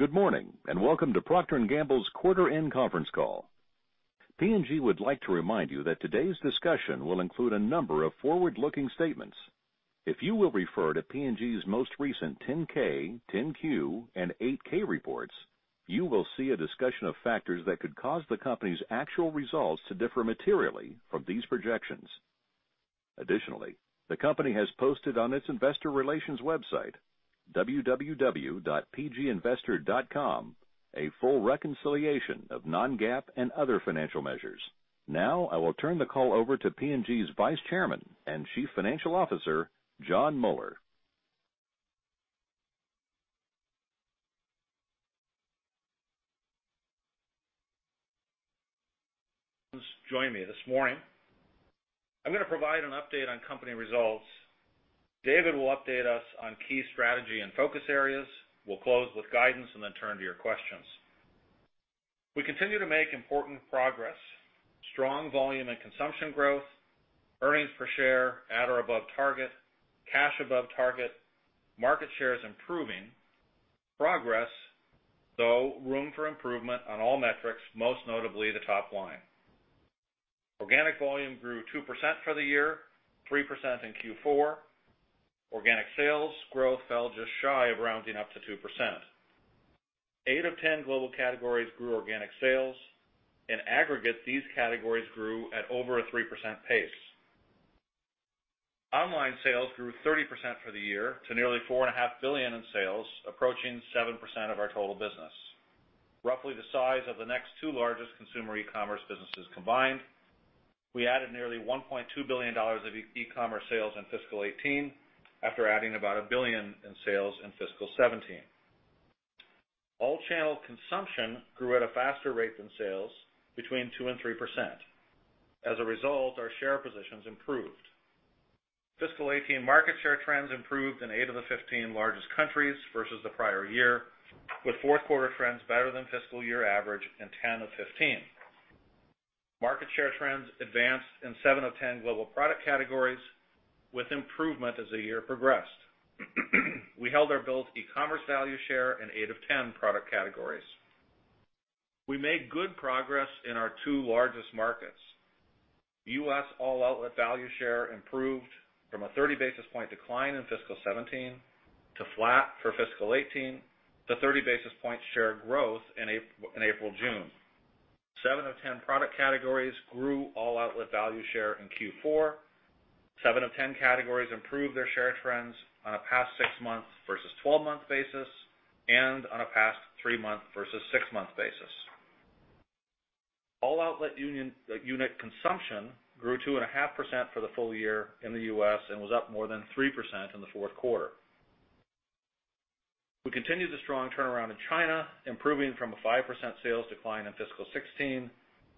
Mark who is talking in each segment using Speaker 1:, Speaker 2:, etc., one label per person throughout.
Speaker 1: Good morning, welcome to Procter & Gamble's quarter end conference call. P&G would like to remind you that today's discussion will include a number of forward-looking statements. If you will refer to P&G's most recent 10-K, 10-Q, and 8-K reports, you will see a discussion of factors that could cause the company's actual results to differ materially from these projections. Additionally, the company has posted on its investor relations website, www.pginvestor.com, a full reconciliation of non-GAAP and other financial measures. Now, I will turn the call over to P&G's Vice Chairman and Chief Financial Officer, Jon Moeller.
Speaker 2: Join me this morning. I'm going to provide an update on company results. David will update us on key strategy and focus areas. We'll close with guidance and then turn to your questions. We continue to make important progress, strong volume and consumption growth, earnings per share at or above target, cash above target, market share is improving. Progress, though room for improvement on all metrics, most notably the top line. Organic volume grew 2% for the year, 3% in Q4. Organic sales growth fell just shy of rounding up to 2%. 8 of 10 global categories grew organic sales. In aggregate, these categories grew at over a 3% pace. Online sales grew 30% for the year to nearly $4.5 billion in sales, approaching 7% of our total business. Roughly the size of the next 2 largest consumer e-commerce businesses combined. We added nearly $1.2 billion of e-commerce sales in fiscal 2018, after adding about $1 billion in sales in fiscal 2017. All channel consumption grew at a faster rate than sales between 2% and 3%. As a result, our share positions improved. Fiscal 2018 market share trends improved in 8 of the 15 largest countries versus the prior year, with fourth quarter trends better than fiscal year average in 10 of 15. Market share trends advanced in 7 of 10 global product categories, with improvement as the year progressed. We held or built e-commerce value share in 8 of 10 product categories. We made good progress in our 2 largest markets. U.S. all outlet value share improved from a 30 basis point decline in fiscal 2017 to flat for fiscal 2018, to 30 basis point share growth in April, June. 7 of 10 product categories grew all outlet value share in Q4. 7 of 10 categories improved their share trends on a past six-month versus 12-month basis, and on a past three-month versus six-month basis. All outlet unit consumption grew 2.5% for the full year in the U.S. and was up more than 3% in the fourth quarter. We continued the strong turnaround in China, improving from a 5% sales decline in fiscal 2016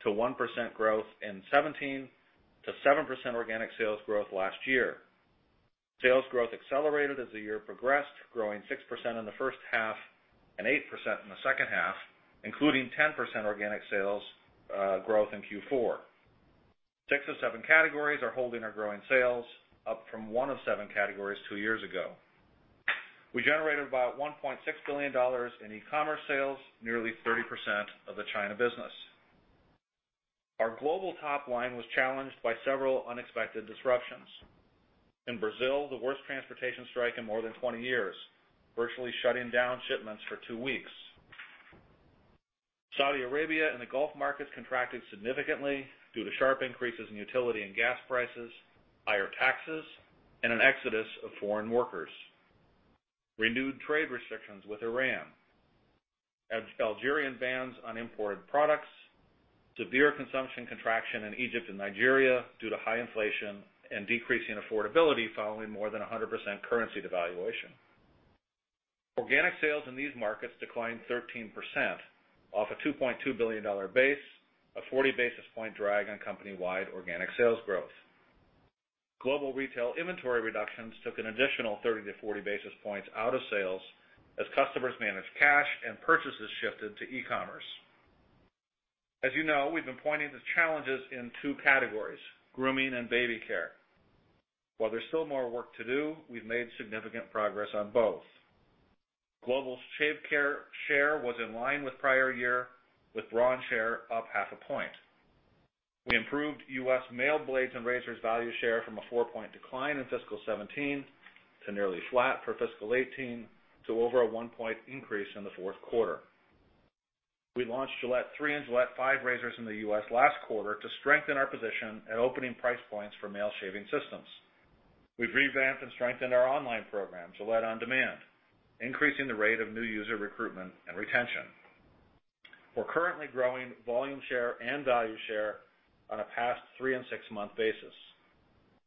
Speaker 2: to 1% growth in 2017, to 7% organic sales growth last year. Sales growth accelerated as the year progressed, growing 6% in the first half and 8% in the second half, including 10% organic sales growth in Q4. 6 of 7 categories are holding or growing sales, up from 1 of 7 categories 2 years ago. We generated about $1.6 billion in e-commerce sales, nearly 30% of the China business. Our global top line was challenged by several unexpected disruptions. In Brazil, the worst transportation strike in more than 20 years, virtually shutting down shipments for two weeks. Saudi Arabia and the Gulf markets contracted significantly due to sharp increases in utility and gas prices, higher taxes, and an exodus of foreign workers. Renewed trade restrictions with Iran. Algerian bans on imported products. Severe consumption contraction in Egypt and Nigeria due to high inflation and decreasing affordability following more than 100% currency devaluation. Organic sales in these markets declined 13% off a $2.2 billion base, a 40 basis point drag on company-wide organic sales growth. Global retail inventory reductions took an additional 30 to 40 basis points out of sales as customers managed cash and purchases shifted to e-commerce. As you know, we've been pointing to challenges in two categories, grooming and baby care. While there's still more work to do, we've made significant progress on both. Global shave care share was in line with prior year, with Braun share up half a point. We improved U.S. male blades and razors value share from a four-point decline in fiscal 2017 to nearly flat for fiscal 2018, to over a one point increase in the fourth quarter. We launched Gillette three and Gillette five razors in the U.S. last quarter to strengthen our position at opening price points for male shaving systems. We've revamped and strengthened our online program, Gillette On Demand, increasing the rate of new user recruitment and retention. We're currently growing volume share and value share on a past three and six-month basis.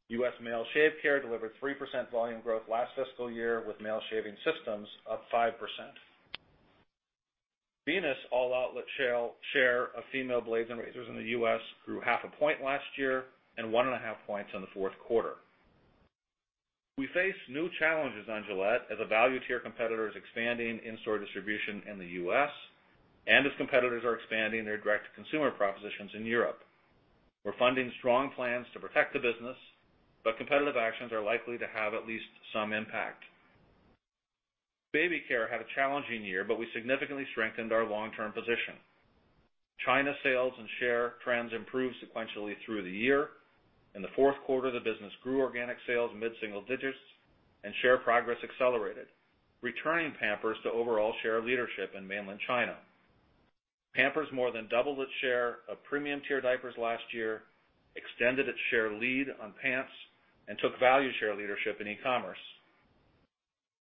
Speaker 2: U.S. male shave care delivered 3% volume growth last fiscal year, with male shaving systems up 5%. Venus all outlet share of female blades and razors in the U.S. grew half a point last year and one and a half points in the fourth quarter. We face new challenges on Gillette as a value tier competitor is expanding in-store distribution in the U.S., and as competitors are expanding their direct to consumer propositions in Europe. We're funding strong plans to protect the business, but competitive actions are likely to have at least some impact. Baby care had a challenging year, but we significantly strengthened our long-term position. China sales and share trends improved sequentially through the year. In the fourth quarter, the business grew organic sales mid-single digits and share progress accelerated, returning Pampers to overall share leadership in mainland China. Pampers more than doubled its share of premium-tier diapers last year, extended its share lead on pants, and took value share leadership in e-commerce.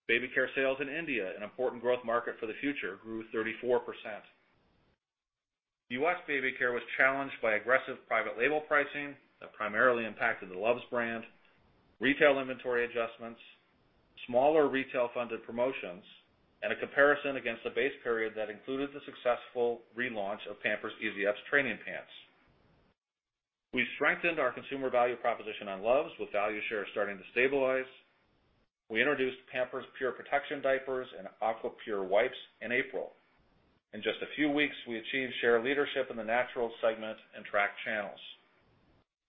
Speaker 2: Baby care sales in India, an important growth market for the future, grew 34%. U.S. baby care was challenged by aggressive private label pricing that primarily impacted the Luvs brand, retail inventory adjustments, smaller retail-funded promotions, and a comparison against the base period that included the successful relaunch of Pampers Easy Ups training pants. We strengthened our consumer value proposition on Luvs, with value share starting to stabilize. We introduced Pampers Pure Protection diapers and Aqua Pure wipes in April. In just a few weeks, we achieved share leadership in the natural segment and track channels.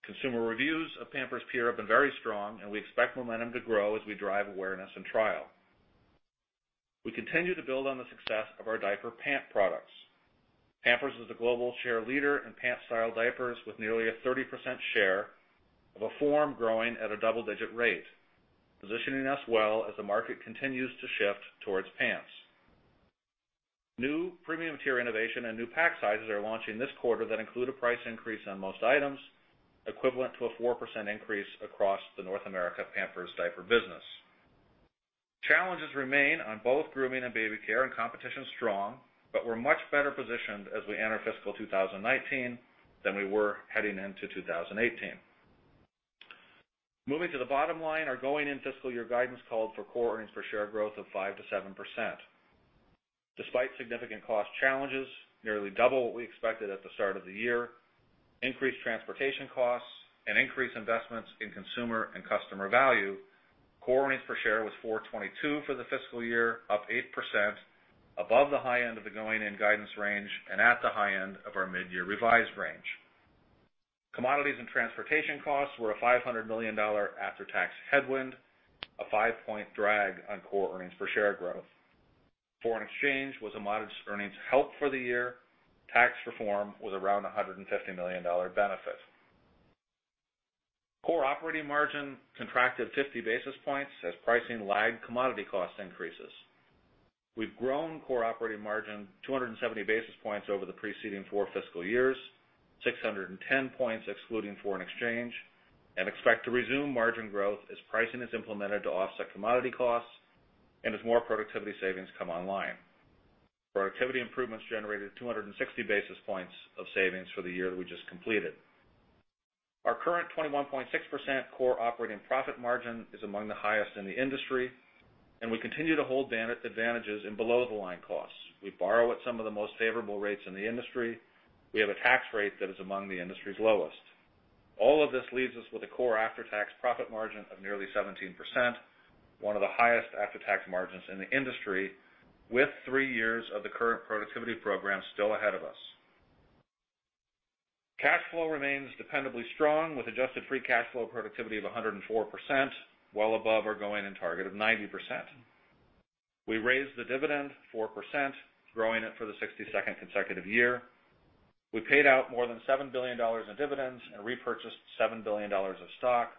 Speaker 2: Consumer reviews of Pampers Pure have been very strong, and we expect momentum to grow as we drive awareness and trial. We continue to build on the success of our diaper pant products. Pampers is a global share leader in pant-style diapers with nearly a 30% share of a form growing at a double-digit rate, positioning us well as the market continues to shift towards pants. New premium-tier innovation and new pack sizes are launching this quarter that include a price increase on most items, equivalent to a 4% increase across the North America Pampers diaper business. Challenges remain on both grooming and baby care, and competition is strong, but we're much better positioned as we enter fiscal 2019 than we were heading into 2018. Moving to the bottom line, our going in fiscal year guidance called for core earnings per share growth of 5% to 7%. Despite significant cost challenges, nearly double what we expected at the start of the year, increased transportation costs, and increased investments in consumer and customer value, core earnings per share was $4.22 for the fiscal year, up 8%, above the high end of the going-in guidance range, and at the high end of our mid-year revised range. Commodities and transportation costs were a $500 million after-tax headwind, a five-point drag on core earnings per share growth. Foreign exchange was a modest earnings help for the year. Tax reform was around $150 million benefit. Core operating margin contracted 50 basis points as pricing lagged commodity cost increases. We've grown core operating margin 270 basis points over the preceding four fiscal years, 610 points excluding foreign exchange, and expect to resume margin growth as pricing is implemented to offset commodity costs and as more productivity savings come online. Productivity improvements generated 260 basis points of savings for the year that we just completed. Our current 21.6% core operating profit margin is among the highest in the industry, and we continue to hold advantages in below-the-line costs. We borrow at some of the most favorable rates in the industry. We have a tax rate that is among the industry's lowest. All of this leaves us with a core after-tax profit margin of nearly 17%, one of the highest after-tax margins in the industry, with three years of the current productivity program still ahead of us. Cash flow remains dependably strong, with adjusted free cash flow productivity of 104%, well above our going-in target of 90%. We raised the dividend 4%, growing it for the 62nd consecutive year. We paid out more than $7 billion in dividends and repurchased $7 billion of stock,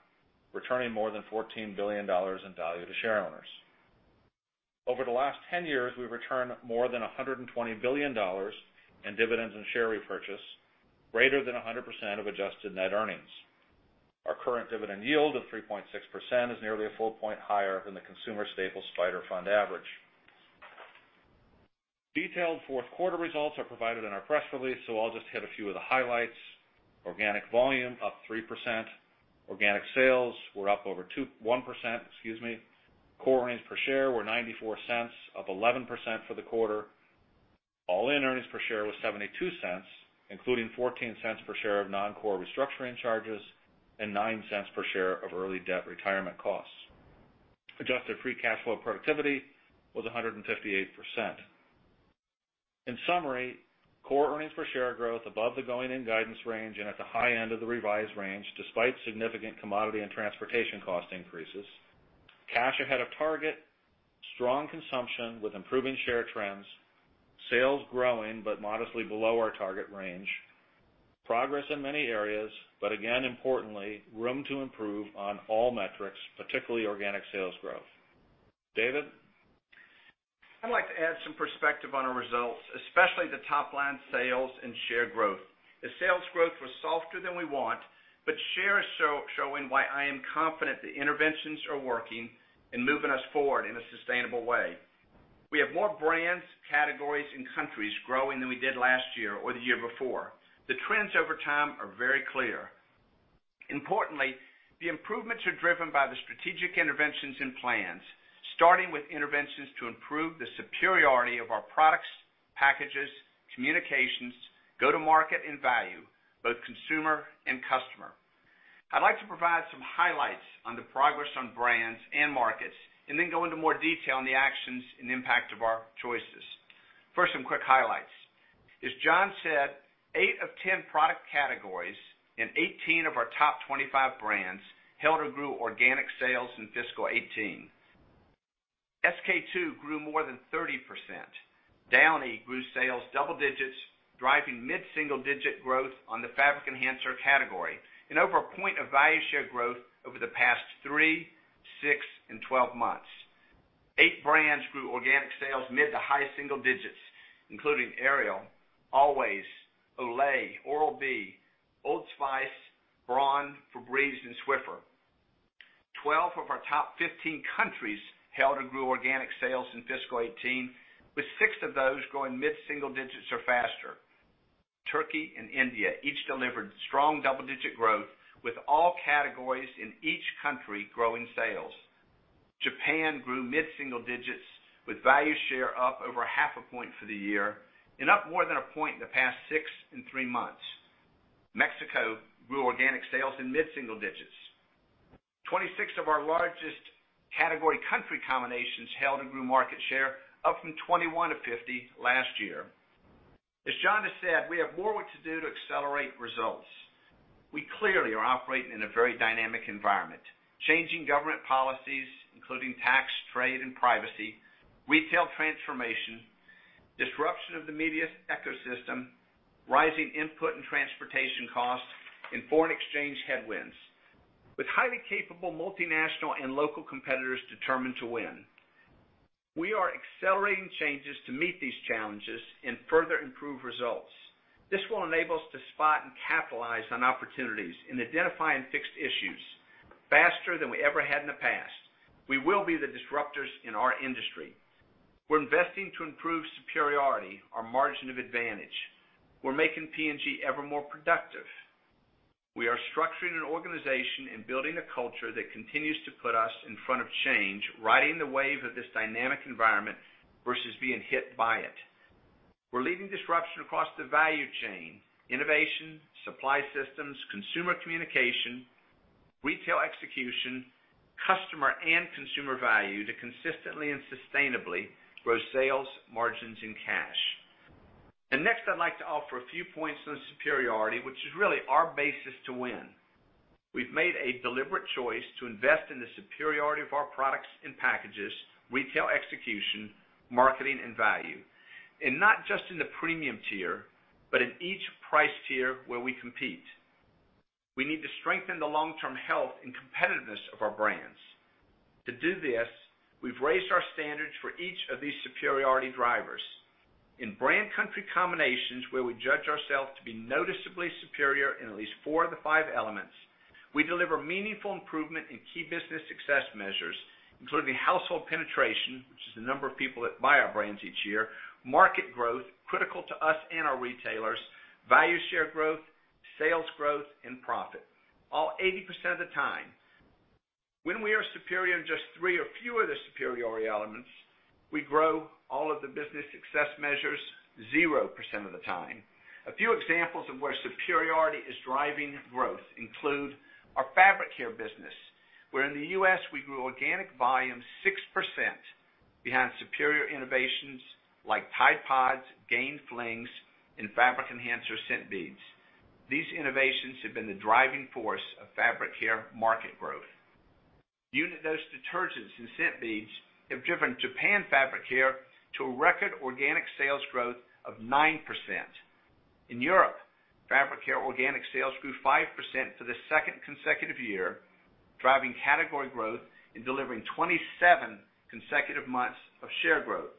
Speaker 2: returning more than $14 billion in value to share owners. Over the last 10 years, we've returned more than $120 billion in dividends and share repurchase, greater than 100% of adjusted net earnings. Our current dividend yield of 3.6% is nearly a full point higher than the consumer staples SPDR Fund average. Detailed fourth quarter results are provided in our press release, I'll just hit a few of the highlights. Organic volume up 3%. Organic sales were up over 1%, excuse me. Core earnings per share were $0.94, up 11% for the quarter. All-in earnings per share was $0.72, including $0.14 per share of non-core restructuring charges and $0.09 per share of early debt retirement costs. Adjusted free cash flow productivity was 158%. In summary, core earnings per share growth above the going-in guidance range and at the high end of the revised range, despite significant commodity and transportation cost increases. Cash ahead of target. Strong consumption with improving share trends. Sales growing, modestly below our target range. Progress in many areas, again, importantly, room to improve on all metrics, particularly organic sales growth. David?
Speaker 3: I'd like to add some perspective on our results, especially the top-line sales and share growth. The sales growth was softer than we want, shares showing why I am confident the interventions are working and moving us forward in a sustainable way. We have more brands, categories, and countries growing than we did last year or the year before. The trends over time are very clear. Importantly, the improvements are driven by the strategic interventions and plans, starting with interventions to improve the superiority of our products, packages, communications, go to market and value, both consumer and customer. I'd like to provide some highlights on the progress on brands and markets, and then go into more detail on the actions and impact of our choices. First, some quick highlights. As Jon said, 8 of 10 product categories and 18 of our top 25 brands held or grew organic sales in fiscal 2018. SK-II grew more than 30%. Downy grew sales double digits, driving mid-single-digit growth on the fabric enhancer category, and over a point of value share growth over the past 3, 6, and 12 months. 8 brands grew organic sales mid to high single digits, including Ariel, Always, Olay, Oral-B, Old Spice, Braun, Febreze, and Swiffer. 12 of our top 15 countries held or grew organic sales in fiscal 2018, with 6 of those growing mid-single digits or faster. Turkey and India each delivered strong double-digit growth, with all categories in each country growing sales. Japan grew mid-single digits, with value share up over half a point for the year, and up more than a point in the past 6 and 3 months. Mexico grew organic sales in mid-single digits. 26 of our largest category country combinations held and grew market share, up from 21 of 50 last year. As Jon has said, we have more work to do to accelerate results. We clearly are operating in a very dynamic environment. Changing government policies, including tax, trade, and privacy, retail transformation, disruption of the media ecosystem, rising input and transportation costs, and foreign exchange headwinds. With highly capable multinational and local competitors determined to win, we are accelerating changes to meet these challenges and further improve results. This will enable us to spot and capitalize on opportunities and identify and fix issues faster than we ever had in the past. We will be the disruptors in our industry. We're investing to improve superiority, our margin of advantage. We're making P&G ever more productive. We are structuring an organization and building a culture that continues to put us in front of change, riding the wave of this dynamic environment, versus being hit by it. We're leading disruption across the value chain, innovation, supply systems, consumer communication, retail execution, customer and consumer value, to consistently and sustainably grow sales, margins, and cash. Next, I'd like to offer a few points on superiority, which is really our basis to win. We've made a deliberate choice to invest in the superiority of our products and packages, retail execution, marketing, and value. Not just in the premium tier, but in each price tier where we compete. We need to strengthen the long-term health and competitiveness of our brands. To do this, we've raised our standards for each of these superiority drivers. In brand country combinations where we judge ourselves to be noticeably superior in at least four of the five elements, we deliver meaningful improvement in key business success measures, including household penetration, which is the number of people that buy our brands each year, market growth, critical to us and our retailers, value share growth, sales growth, and profit, all 80% of the time. When we are superior in just three or few of the superiority elements, we grow all of the business success measures 0% of the time. A few examples of where superiority is driving growth include our fabric care business, where in the U.S. we grew organic volume 6% behind superior innovations like Tide PODS, Gain Flings, and fabric enhancer scent beads. These innovations have been the driving force of fabric care market growth. Bold detergents and scent beads have driven Japan fabric care to a record organic sales growth of 9%. In Europe, fabric care organic sales grew 5% for the second consecutive year, driving category growth and delivering 27 consecutive months of share growth.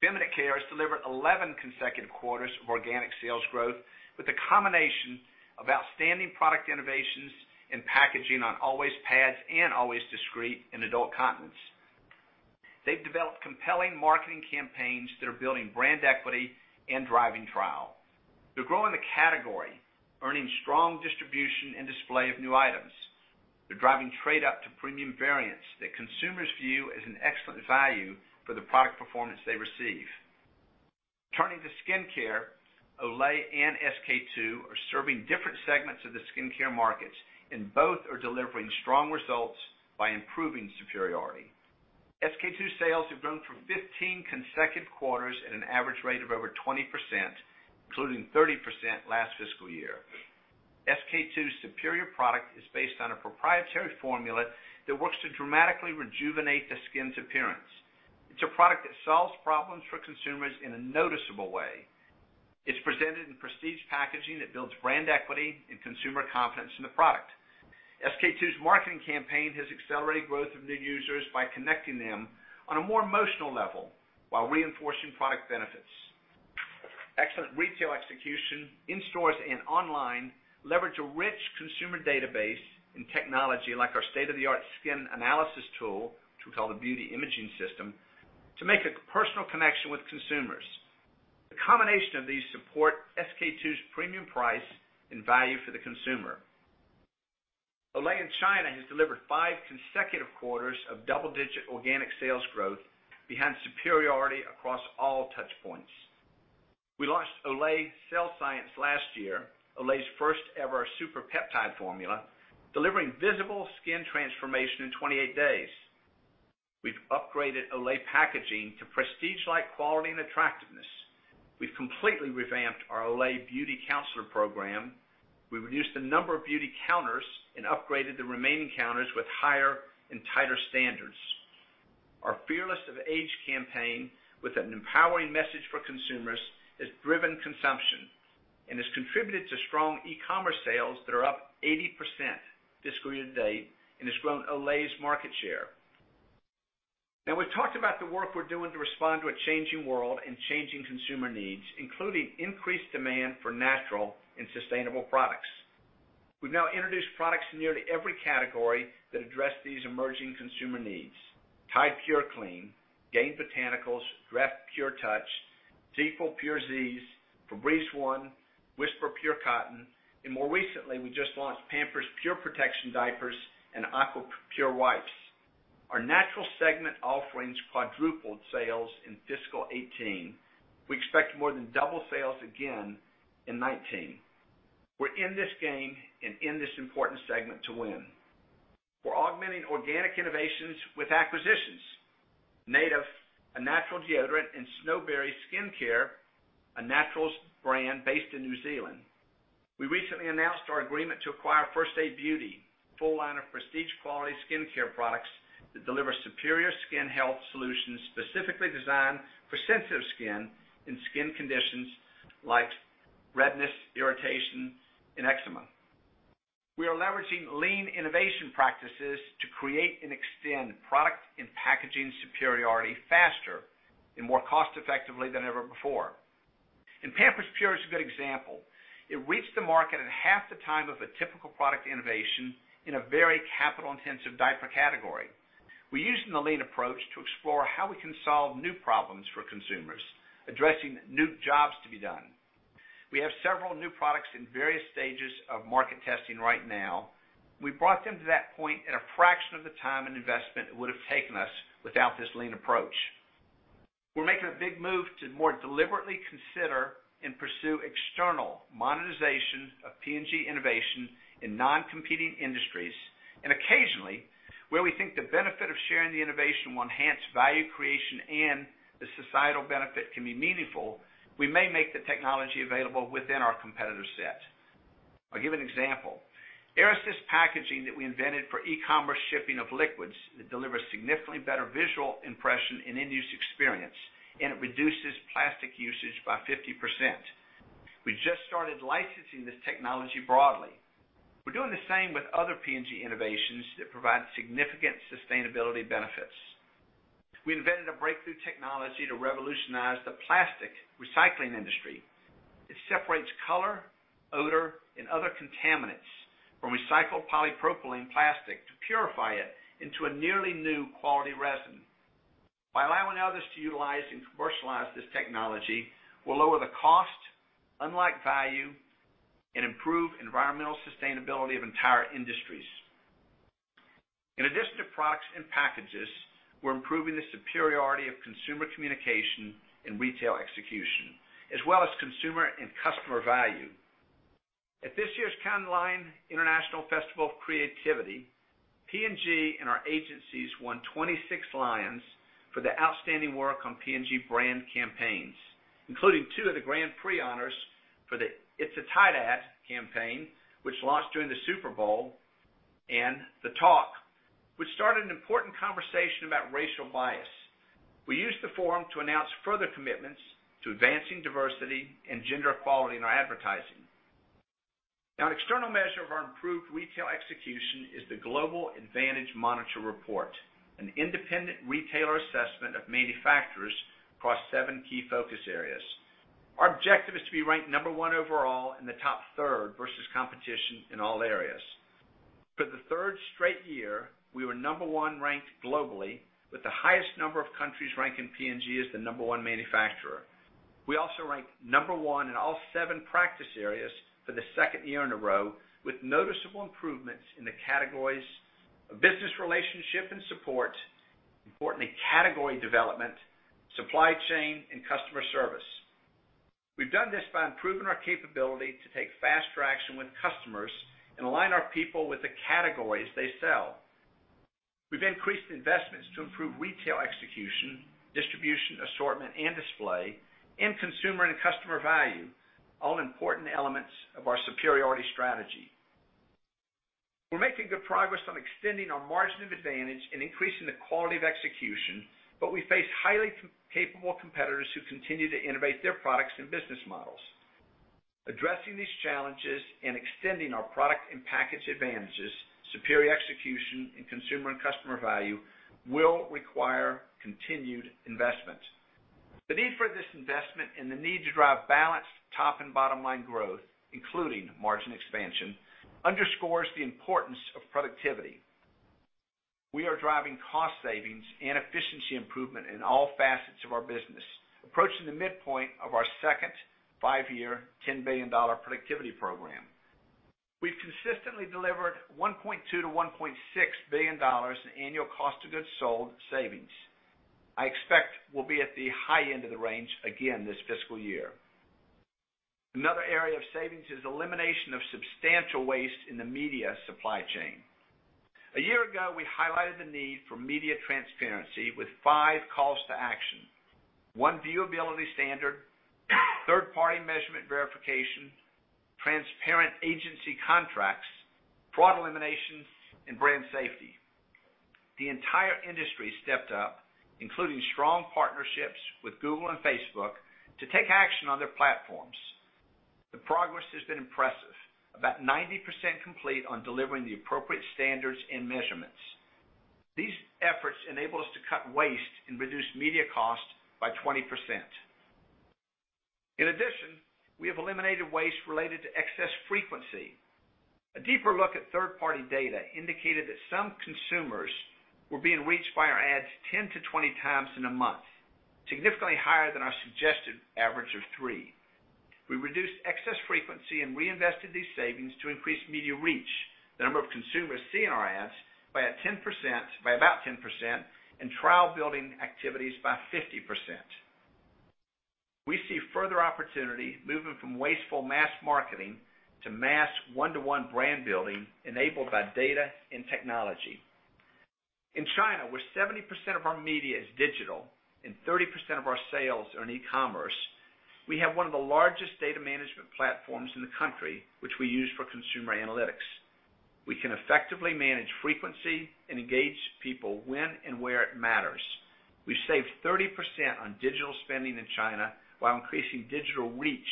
Speaker 3: Feminine care has delivered 11 consecutive quarters of organic sales growth with a combination of outstanding product innovations and packaging on Always pads and Always Discreet and adult continence. They've developed compelling marketing campaigns that are building brand equity and driving trial. They're growing the category, earning strong distribution and display of new items. They're driving trade up to premium variants that consumers view as an excellent value for the product performance they receive. Turning to skincare, Olay and SK-II are serving different segments of the skincare markets, and both are delivering strong results by improving superiority. SK-II sales have grown for 15 consecutive quarters at an average rate of over 20%, including 30% last fiscal year. SK-II's superior product is based on a proprietary formula that works to dramatically rejuvenate the skin's appearance. It's a product that solves problems for consumers in a noticeable way. It's presented in prestige packaging that builds brand equity and consumer confidence in the product. SK-II's marketing campaign has accelerated growth of new users by connecting them on a more emotional level while reinforcing product benefits. Excellent retail execution in stores and online leverage a rich consumer database and technology like our state-of-the-art skin analysis tool, which we call the Beauty Imaging System, to make a personal connection with consumers. The combination of these support SK-II's premium price and value for the consumer. Olay in China has delivered five consecutive quarters of double-digit organic sales growth behind superiority across all touch points. We launched Olay Cellular Science last year, Olay's first ever super peptide formula, delivering visible skin transformation in 28 days. We've upgraded Olay packaging to prestige-like quality and attractiveness. We've completely revamped our Olay Beauty Counselor program. We reduced the number of beauty counters and upgraded the remaining counters with higher and tighter standards. Our Fearless of Age campaign, with an empowering message for consumers, has driven consumption and has contributed to strong e-commerce sales that are up 80% this quarter to date, and has grown Olay's market share. We've talked about the work we're doing to respond to a changing world and changing consumer needs, including increased demand for natural and sustainable products. We've now introduced products in nearly every category that address these emerging consumer needs. Tide purclean, Gain Botanicals, Dreft PurTouch, ZzzQuil PURE Zzzs, Febreze ONE, Whisper Pure Cotton, and more recently, we just launched Pampers Pure Protection diapers and Aqua Pure wipes. Our natural segment offerings quadrupled sales in fiscal 2018. We expect more than double sales again in 2019. We're in this game and in this important segment to win. We're augmenting organic innovations with acquisitions. Native, a natural deodorant, and Snowberry Skincare, a naturals brand based in New Zealand. We recently announced our agreement to acquire First Aid Beauty, a full line of prestige quality skincare products that deliver superior skin health solutions specifically designed for sensitive skin and skin conditions like redness, irritation, and eczema. We are leveraging lean innovation practices to create and extend product and packaging superiority faster and more cost-effectively than ever before. Pampers Pure is a good example. It reached the market in half the time of a typical product innovation in a very capital-intensive diaper category. We're using the lean approach to explore how we can solve new problems for consumers, addressing new jobs to be done. We have several new products in various stages of market testing right now. We've brought them to that point in a fraction of the time and investment it would've taken us without this lean approach. We're making a big move to more deliberately consider and pursue external monetization of P&G innovation in non-competing industries, and occasionally, where we think the benefit of sharing the innovation will enhance value creation and the societal benefit can be meaningful, we may make the technology available within our competitor set. I'll give an example. Air Assist Packaging that we invented for e-commerce shipping of liquids that delivers significantly better visual impression and end-use experience, and it reduces plastic usage by 50%. We just started licensing this technology broadly. We're doing the same with other P&G innovations that provide significant sustainability benefits. We invented a breakthrough technology to revolutionize the plastic recycling industry. It separates color, odor, and other contaminants from recycled polypropylene plastic to purify it into a nearly new quality resin. By allowing others to utilize and commercialize this technology, we'll lower the cost, unlock value, and improve environmental sustainability of entire industries. In addition to products and packages, we're improving the superiority of consumer communication and retail execution, as well as consumer and customer value. At this year's Cannes Lions International Festival of Creativity, P&G and our agencies won 26 Lions for the outstanding work on P&G brand campaigns, including two of the Grand Prix honors for the "It's a Tide Ad" campaign, which launched during the Super Bowl, and "The Talk," which started an important conversation about racial bias. We used the forum to announce further commitments to advancing diversity and gender equality in our advertising. An external measure of our improved retail execution is the Kantar Global MONITOR Report, an independent retailer assessment of manufacturers across seven key focus areas. Our objective is to be ranked number one overall in the top third versus competition in all areas. For the third straight year, we were number one ranked globally with the highest number of countries ranking P&G as the number one manufacturer. We also ranked number one in all seven practice areas for the second year in a row, with noticeable improvements in the categories of business relationship and support, importantly, category development, supply chain, and customer service. We've done this by improving our capability to take faster action with customers and align our people with the categories they sell. We've increased investments to improve retail execution, distribution, assortment, and display, and consumer and customer value, all important elements of our superiority strategy. We're making good progress on extending our margin of advantage and increasing the quality of execution, but we face highly capable competitors who continue to innovate their products and business models. Addressing these challenges and extending our product and package advantages, superior execution, and consumer and customer value will require continued investment. The need for this investment and the need to drive balanced top and bottom line growth, including margin expansion, underscores the importance of productivity. We are driving cost savings and efficiency improvement in all facets of our business, approaching the midpoint of our second five-year, $10 billion productivity program. We've consistently delivered $1.2 billion to $1.6 billion in annual cost of goods sold savings. I expect we'll be at the high end of the range again this fiscal year. Another area of savings is elimination of substantial waste in the media supply chain. A year ago, we highlighted the need for media transparency with five calls to action. One viewability standard, third-party measurement verification, transparent agency contracts, fraud elimination, and brand safety. The entire industry stepped up, including strong partnerships with Google and Facebook to take action on their platforms. The progress has been impressive. About 90% complete on delivering the appropriate standards and measurements. These efforts enable us to cut waste and reduce media costs by 20%. In addition, we have eliminated waste related to excess frequency. A deeper look at third-party data indicated that some consumers were being reached by our ads 10 to 20 times in a month, significantly higher than our suggested average of three. We reduced excess frequency and reinvested these savings to increase media reach, the number of consumers seeing our ads by about 10% and trial-building activities by 50%. We see further opportunity moving from wasteful mass marketing to mass one-to-one brand building enabled by data and technology. In China, where 70% of our media is digital and 30% of our sales are in e-commerce, we have one of the largest data management platforms in the country, which we use for consumer analytics. We can effectively manage frequency and engage people when and where it matters. We've saved 30% on digital spending in China while increasing digital reach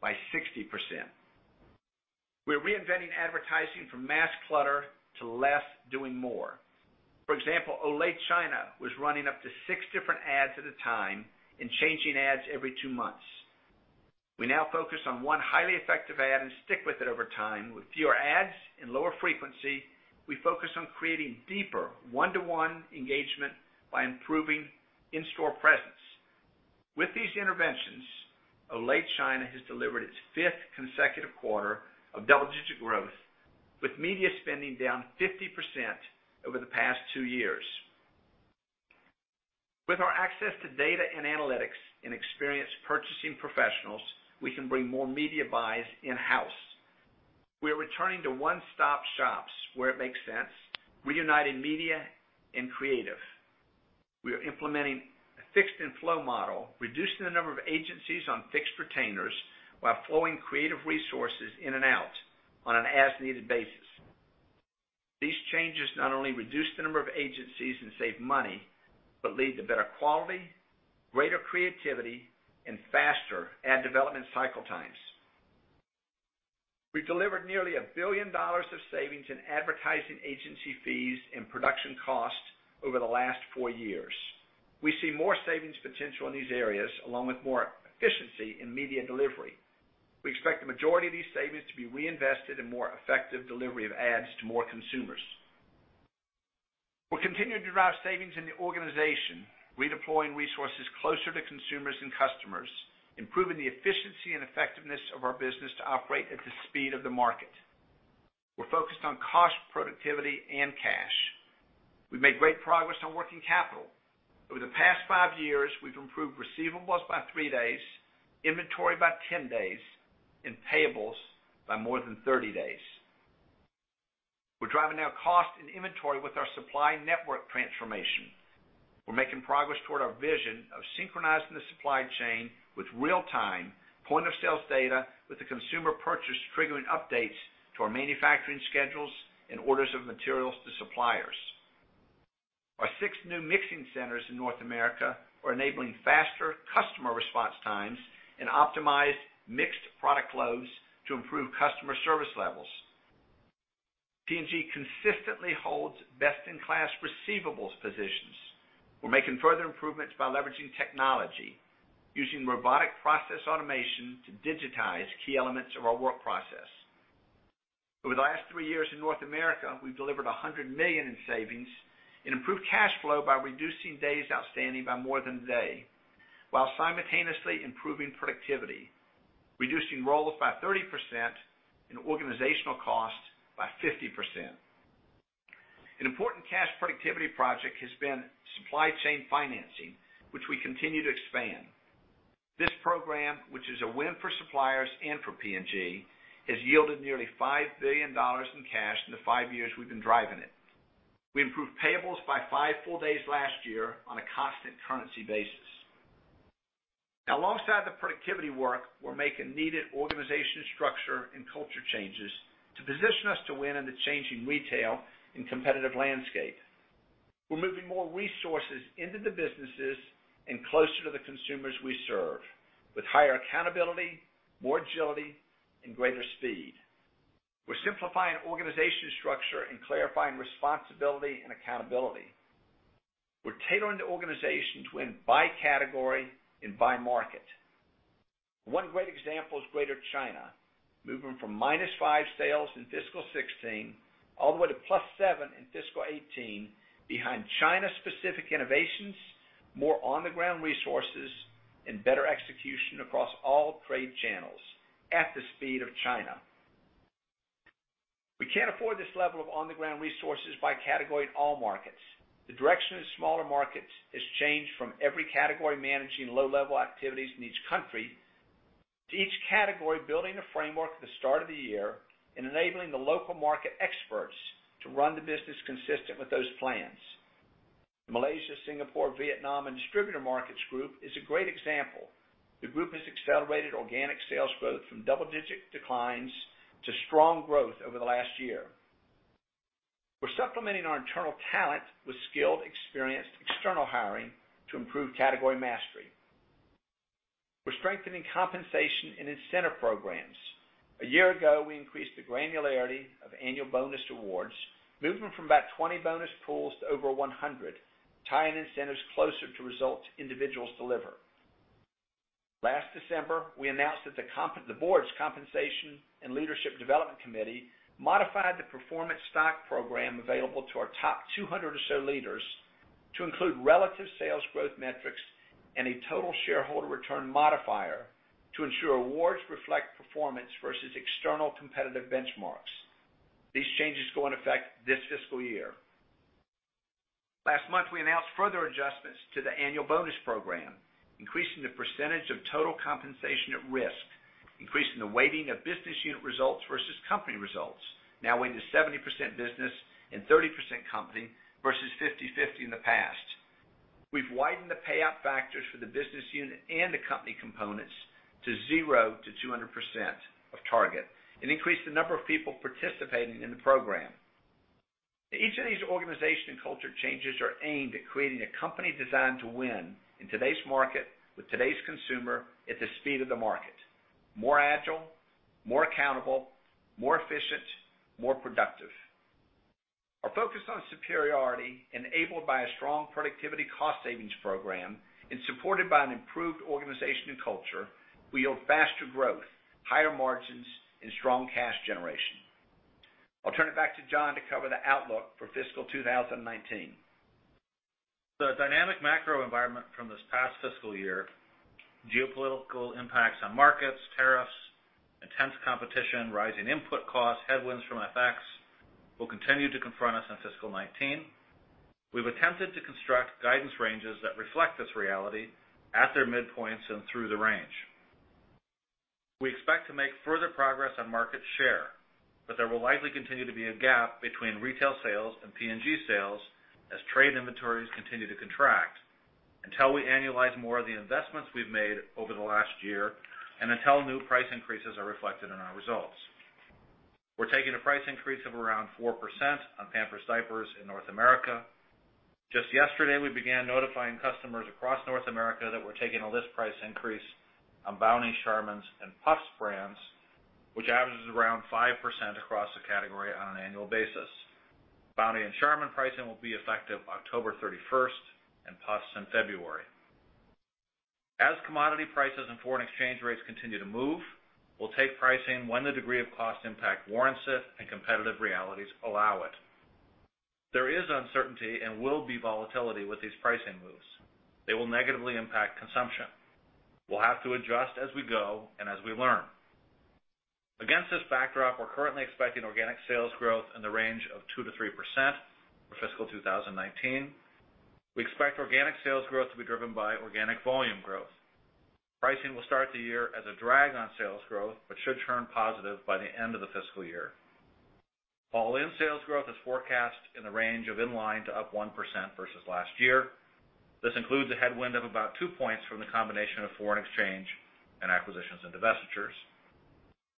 Speaker 3: by 60%. We're reinventing advertising from mass clutter to less doing more. For example, Olay China was running up to six different ads at a time and changing ads every two months. We now focus on one highly effective ad and stick with it over time. With fewer ads and lower frequency, we focus on creating deeper one-to-one engagement by improving in-store presence. With these interventions, Olay China has delivered its fifth consecutive quarter of double-digit growth, with media spending down 50% over the past two years. With our access to data and analytics and experienced purchasing professionals, we can bring more media buys in-house. We are returning to one-stop shops where it makes sense, reuniting media and creative. We are implementing a fixed and flow model, reducing the number of agencies on fixed retainers while flowing creative resources in and out on an as-needed basis. These changes not only reduce the number of agencies and save money but lead to better quality, greater creativity, faster ad development cycle times. We delivered nearly $1 billion of savings in advertising agency fees and production costs over the last four years. We see more savings potential in these areas, along with more efficiency in media delivery. We expect the majority of these savings to be reinvested in more effective delivery of ads to more consumers. We're continuing to drive savings in the organization, redeploying resources closer to consumers and customers, improving the efficiency and effectiveness of our business to operate at the speed of the market. We're focused on cost, productivity, and cash. We've made great progress on working capital. Over the past five years, we've improved receivables by three days, inventory by 10 days, and payables by more than 30 days. We're driving down cost and inventory with our supply network transformation. We're making progress toward our vision of synchronizing the supply chain with real-time point-of-sales data with the consumer purchase triggering updates to our manufacturing schedules and orders of materials to suppliers. Our six new mixing centers in North America are enabling faster customer response times and optimized mixed product loads to improve customer service levels. P&G consistently holds best-in-class receivables positions. We're making further improvements by leveraging technology, using robotic process automation to digitize key elements of our work process. Over the last three years in North America, we've delivered $100 million in savings and improved cash flow by reducing days outstanding by more than a day while simultaneously improving productivity, reducing roles by 30% and organizational cost by 50%. An important cash productivity project has been supply chain financing, which we continue to expand. This program, which is a win for suppliers and for P&G, has yielded nearly $5 billion in cash in the five years we've been driving it. We improved payables by five full days last year on a constant currency basis. Alongside the productivity work, we're making needed organization structure and culture changes to position us to win in the changing retail and competitive landscape. We're moving more resources into the businesses and closer to the consumers we serve with higher accountability, more agility, and greater speed. We're simplifying organization structure and clarifying responsibility and accountability. We're tailoring the organization to win by category and by market. One great example is Greater China, moving from minus five sales in fiscal 2016, all the way to plus seven in fiscal 2018, behind China-specific innovations, more on-the-ground resources, and better execution across all trade channels at the speed of China. We can't afford this level of on-the-ground resources by category in all markets. The direction of the smaller markets has changed from every category managing low-level activities in each country, to each category building a framework at the start of the year and enabling the local market experts to run the business consistent with those plans. The Malaysia, Singapore, Vietnam, and Global Distributor Markets group is a great example. The group has accelerated organic sales growth from double-digit declines to strong growth over the last year. We're supplementing our internal talent with skilled, experienced external hiring to improve category mastery. We're strengthening compensation and incentive programs. A year ago, we increased the granularity of annual bonus awards, moving from about 20 bonus pools to over 100, tying incentives closer to results individuals deliver. Last December, we announced that the board's Compensation & Leadership Development Committee modified the performance stock program available to our top 200 or so leaders to include relative sales growth metrics and a total shareholder return modifier to ensure awards reflect performance versus external competitive benchmarks. These changes go in effect this fiscal year. Last month, we announced further adjustments to the annual bonus program, increasing the percentage of total compensation at risk, increasing the weighting of business unit results versus company results, now weighing to 70% business and 30% company versus 50/50 in the past. We've widened the payout factors for the business unit and the company components to 0-200% of target, and increased the number of people participating in the program. Each of these organization and culture changes are aimed at creating a company designed to win in today's market with today's consumer at the speed of the market. More agile, more accountable, more efficient, more productive. Our focus on superiority enabled by a strong productivity cost savings program and supported by an improved organization and culture will yield faster growth, higher margins, and strong cash generation. I'll turn it back to Jon to cover the outlook for fiscal 2019.
Speaker 2: The dynamic macro environment from this past fiscal year, geopolitical impacts on markets, tariffs, intense competition, rising input costs, headwinds from FX will continue to confront us in fiscal 2019. We've attempted to construct guidance ranges that reflect this reality at their midpoints and through the range. There will likely continue to be a gap between retail sales and P&G sales as trade inventories continue to contract, until we annualize more of the investments we've made over the last year, and until new price increases are reflected in our results. We're taking a price increase of around 4% on Pampers diapers in North America. Just yesterday, we began notifying customers across North America that we're taking a list price increase on Bounty, Charmin, and Puffs brands, which averages around 5% across the category on an annual basis. Bounty and Charmin pricing will be effective October 31st, and Puffs in February. As commodity prices and foreign exchange rates continue to move, we'll take pricing when the degree of cost impact warrants it and competitive realities allow it. There is uncertainty and will be volatility with these pricing moves. They will negatively impact consumption. We'll have to adjust as we go and as we learn. Against this backdrop, we're currently expecting organic sales growth in the range of 2%-3% for fiscal 2019. We expect organic sales growth to be driven by organic volume growth. Pricing will start the year as a drag on sales growth, but should turn positive by the end of the fiscal year. All-in sales growth is forecast in the range of in line to up 1% versus last year. This includes a headwind of about two points from the combination of foreign exchange and acquisitions and divestitures.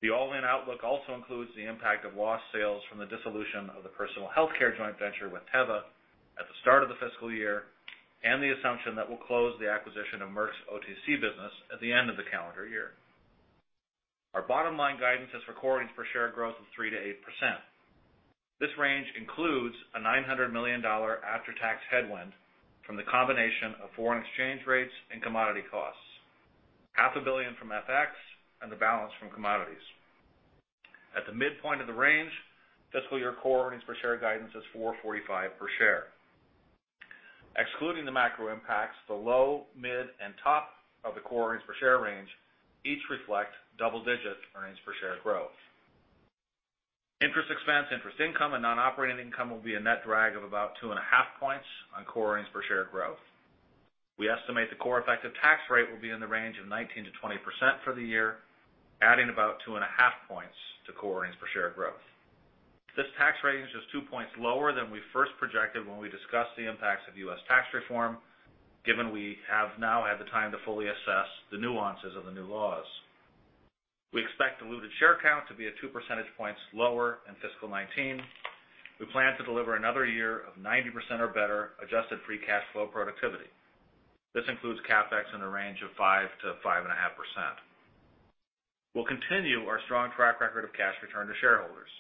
Speaker 2: The all-in outlook also includes the impact of lost sales from the dissolution of the personal healthcare joint venture with Teva at the start of the fiscal year, and the assumption that we'll close the acquisition of Merck's OTC business at the end of the calendar year. Our bottom line guidance is for core earnings per share growth of 3%-8%. This range includes a $900 million after-tax headwind from the combination of foreign exchange rates and commodity costs, half a billion from FX and the balance from commodities. At the midpoint of the range, fiscal year core earnings per share guidance is $4.45 per share. Excluding the macro impacts, the low, mid, and top of the core earnings per share range each reflect double-digit earnings per share growth. Interest expense, interest income, and non-operating income will be a net drag of about two and a half points on core earnings per share growth. We estimate the core effective tax rate will be in the range of 19%-20% for the year, adding about two and a half points to core earnings per share growth. This tax rate is just two points lower than we first projected when we discussed the impacts of U.S. tax reform, given we have now had the time to fully assess the nuances of the new laws. We expect diluted share count to be at two percentage points lower in fiscal 2019. We plan to deliver another year of 90% or better adjusted free cash flow productivity. This includes CapEx in the range of 5%-5.5%. We'll continue our strong track record of cash return to shareholders.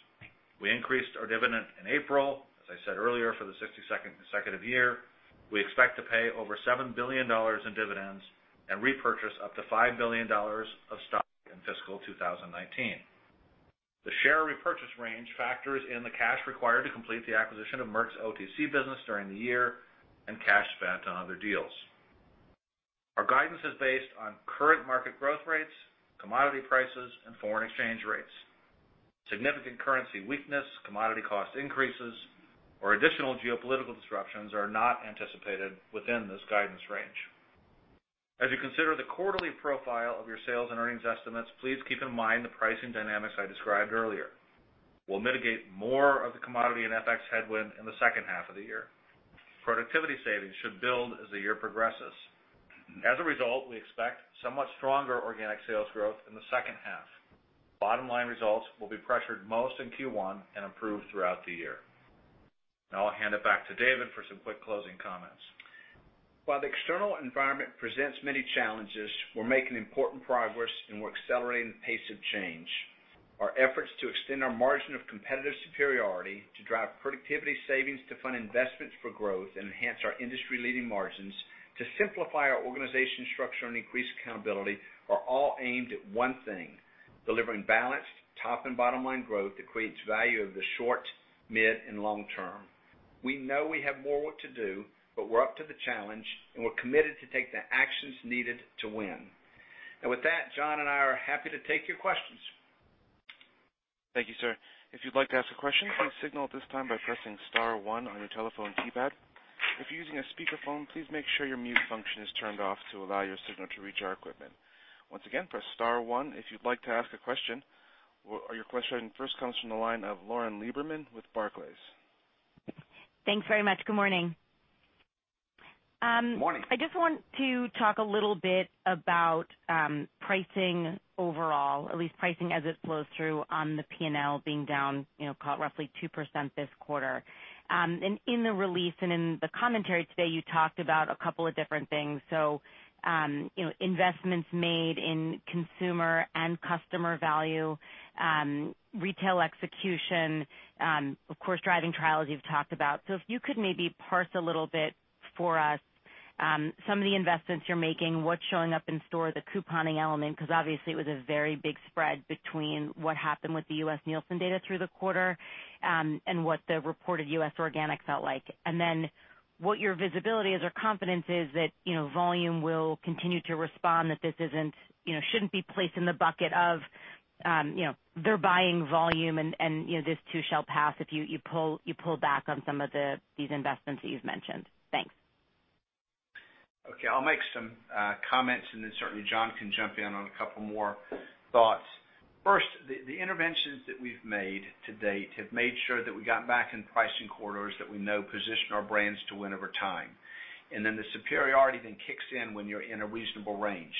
Speaker 2: We increased our dividend in April, as I said earlier, for the 62nd consecutive year. We expect to pay over $7 billion in dividends and repurchase up to $5 billion of stock in fiscal 2019. The share repurchase range factors in the cash required to complete the acquisition of Merck's OTC business during the year and cash spent on other deals. Our guidance is based on current market growth rates, commodity prices, and foreign exchange rates. Significant currency weakness, commodity cost increases, or additional geopolitical disruptions are not anticipated within this guidance range. As you consider the quarterly profile of your sales and earnings estimates, please keep in mind the pricing dynamics I described earlier. We'll mitigate more of the commodity and FX headwind in the second half of the year. Productivity savings should build as the year progresses. As a result, we expect somewhat stronger organic sales growth in the second half. Bottom-line results will be pressured most in Q1 and improve throughout the year. I'll hand it back to David for some quick closing comments.
Speaker 3: While the external environment presents many challenges, we're making important progress, and we're accelerating the pace of change. Our efforts to extend our margin of competitive superiority to drive productivity savings to fund investments for growth and enhance our industry-leading margins to simplify our organization structure and increase accountability are all aimed at one thing, delivering balanced top and bottom-line growth that creates value over the short, mid, and long term. We know we have more work to do, but we're up to the challenge, and we're committed to take the actions needed to win. With that, Jon and I are happy to take your questions.
Speaker 1: Thank you, sir. If you'd like to ask a question, please signal at this time by pressing *1 on your telephone keypad. If you're using a speakerphone, please make sure your mute function is turned off to allow your signal to reach our equipment. Once again, press *1 if you'd like to ask a question. Your question first comes from the line of Lauren Lieberman with Barclays.
Speaker 4: Thanks very much. Good morning.
Speaker 3: Morning.
Speaker 4: I just want to talk a little bit about pricing overall, at least pricing as it flows through on the P&L being down roughly 2% this quarter. In the release and in the commentary today, you talked about a couple of different things. Investments made in consumer and customer value, retail execution, of course, driving trials you've talked about. If you could maybe parse a little bit for us some of the investments you're making, what's showing up in store, the couponing element, because obviously it was a very big spread between what happened with the U.S. Nielsen data through the quarter, and what the reported U.S. organic felt like. What your visibility is or confidence is that volume will continue to respond, that this shouldn't be placed in the bucket of they're buying volume, and this too shall pass if you pull back on some of these investments that you've mentioned. Thanks.
Speaker 3: Okay. I'll make some comments, then certainly Jon can jump in on a couple more thoughts. First, the interventions that we've made to date have made sure that we got back in pricing corridors that we know position our brands to win over time. The superiority then kicks in when you're in a reasonable range.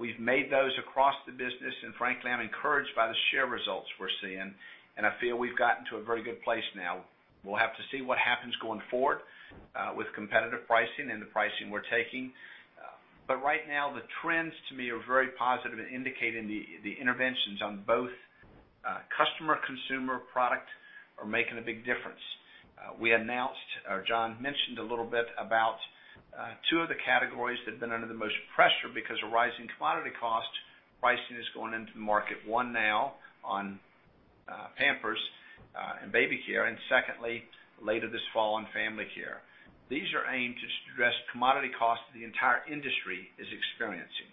Speaker 3: We've made those across the business, and frankly, I'm encouraged by the share results we're seeing, and I feel we've gotten to a very good place now. We'll have to see what happens going forward with competitive pricing and the pricing we're taking. Right now, the trends to me are very positive and indicating the interventions on both customer-consumer product are making a big difference. We announced, or Jon mentioned a little bit about two of the categories that have been under the most pressure because of rising commodity cost. Pricing is going into the market one now on Pampers and baby care, and secondly, later this fall on family care. These are aimed to address commodity costs the entire industry is experiencing.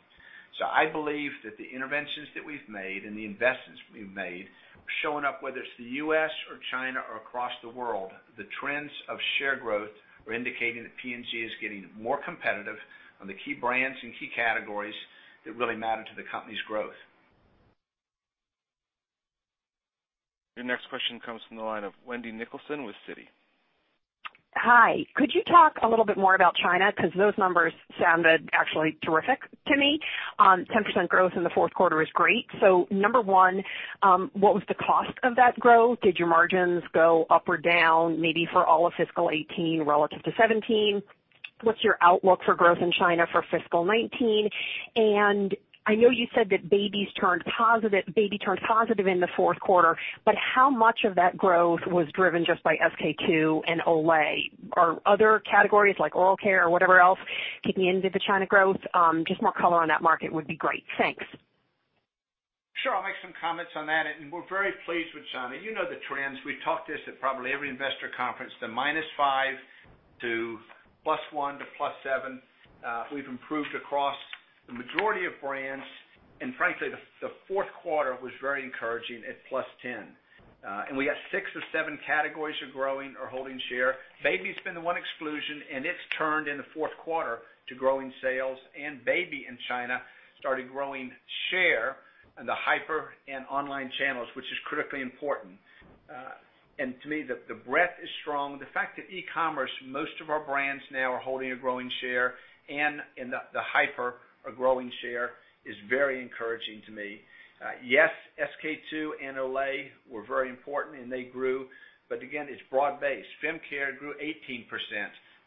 Speaker 3: I believe that the interventions that we've made and the investments we've made are showing up, whether it's the U.S. or China or across the world. The trends of share growth are indicating that P&G is getting more competitive on the key brands and key categories that really matter to the company's growth.
Speaker 1: Your next question comes from the line of Wendy Nicholson with Citi.
Speaker 5: Could you talk a little bit more about China? Those numbers sounded actually terrific to me. 10% growth in the fourth quarter is great. Number one, what was the cost of that growth? Did your margins go up or down, maybe for all of fiscal 2018 relative to 2017? What's your outlook for growth in China for fiscal 2019? I know you said that baby turned positive in the fourth quarter, but how much of that growth was driven just by SK-II and Olay? Are other categories like oral care or whatever else kicking into the China growth? Just more color on that market would be great. Thanks.
Speaker 3: Sure. I'll make some comments on that. We're very pleased with China. You know the trends. We've talked this at probably every investor conference, the minus five to plus one to plus seven. We've improved across the majority of brands. Frankly, the fourth quarter was very encouraging at +10%. We got six or seven categories are growing or holding share. Baby's been the one exclusion, it's turned in the fourth quarter to growing sales. Baby in China started growing share in the hyper and online channels, which is critically important. To me, the breadth is strong. The fact that e-commerce, most of our brands now are holding a growing share, and the hyper a growing share is very encouraging to me. Yes, SK-II and Olay were very important, and they grew, but again, it's broad-based. Fem care grew 18%.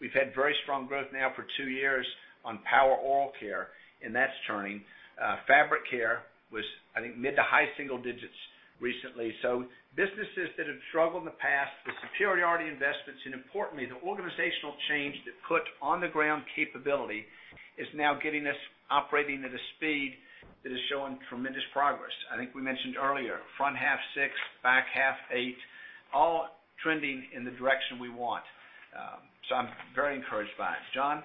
Speaker 3: We've had very strong growth now for two years on Power oral care, that's turning. Fabric care was, I think, mid to high single digits recently. Businesses that have struggled in the past, the superiority investments, and importantly, the organizational change that put on-the-ground capability, is now getting us operating at a speed that is showing tremendous progress. I think we mentioned earlier, front half six, back half eight, all trending in the direction we want. I'm very encouraged by it. Jon?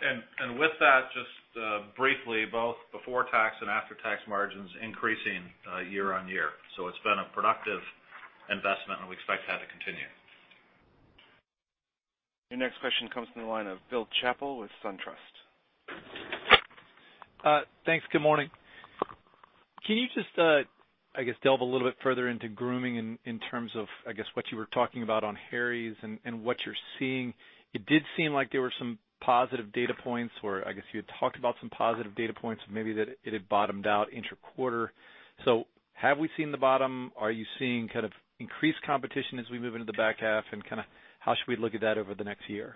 Speaker 2: With that, just briefly, both before-tax and after-tax margins increasing year-over-year. It's been a productive investment, and we expect that to continue.
Speaker 1: Your next question comes from the line of Bill Chappell with SunTrust.
Speaker 6: Thanks. Good morning. Can you just, I guess, delve a little bit further into grooming in terms of, I guess, what you were talking about on Harry's and what you're seeing? It did seem like there were some positive data points, or I guess you had talked about some positive data points, maybe that it had bottomed out intra-quarter. Have we seen the bottom? Are you seeing kind of increased competition as we move into the back half? How should we look at that over the next year?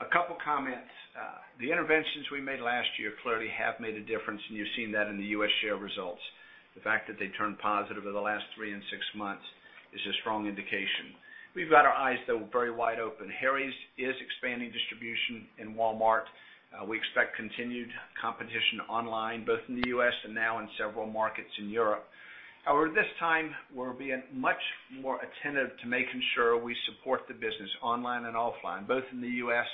Speaker 3: A couple comments. The interventions we made last year clearly have made a difference, and you've seen that in the U.S. share results. The fact that they turned positive over the last three and six months is a strong indication. We've got our eyes, though, very wide open. Harry's is expanding distribution in Walmart. We expect continued competition online, both in the U.S. and now in several markets in Europe. However, this time, we're being much more attentive to making sure we support the business online and offline, both in the U.S.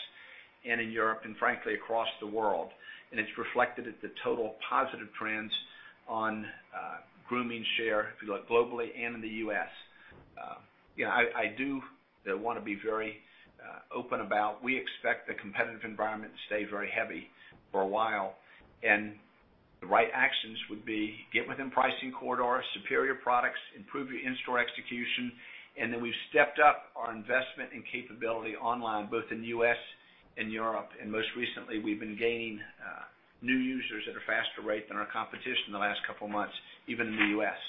Speaker 3: and in Europe, and frankly, across the world. It's reflected at the total positive trends on grooming share, if you look globally and in the U.S. I do want to be very open about. We expect the competitive environment to stay very heavy for a while, and the right actions would be get within pricing corridor, superior products, improve your in-store execution. Then we've stepped up our investment in capability online, both in the U.S. and Europe. Most recently, we've been gaining new users at a faster rate than our competition in the last couple of months, even in the U.S.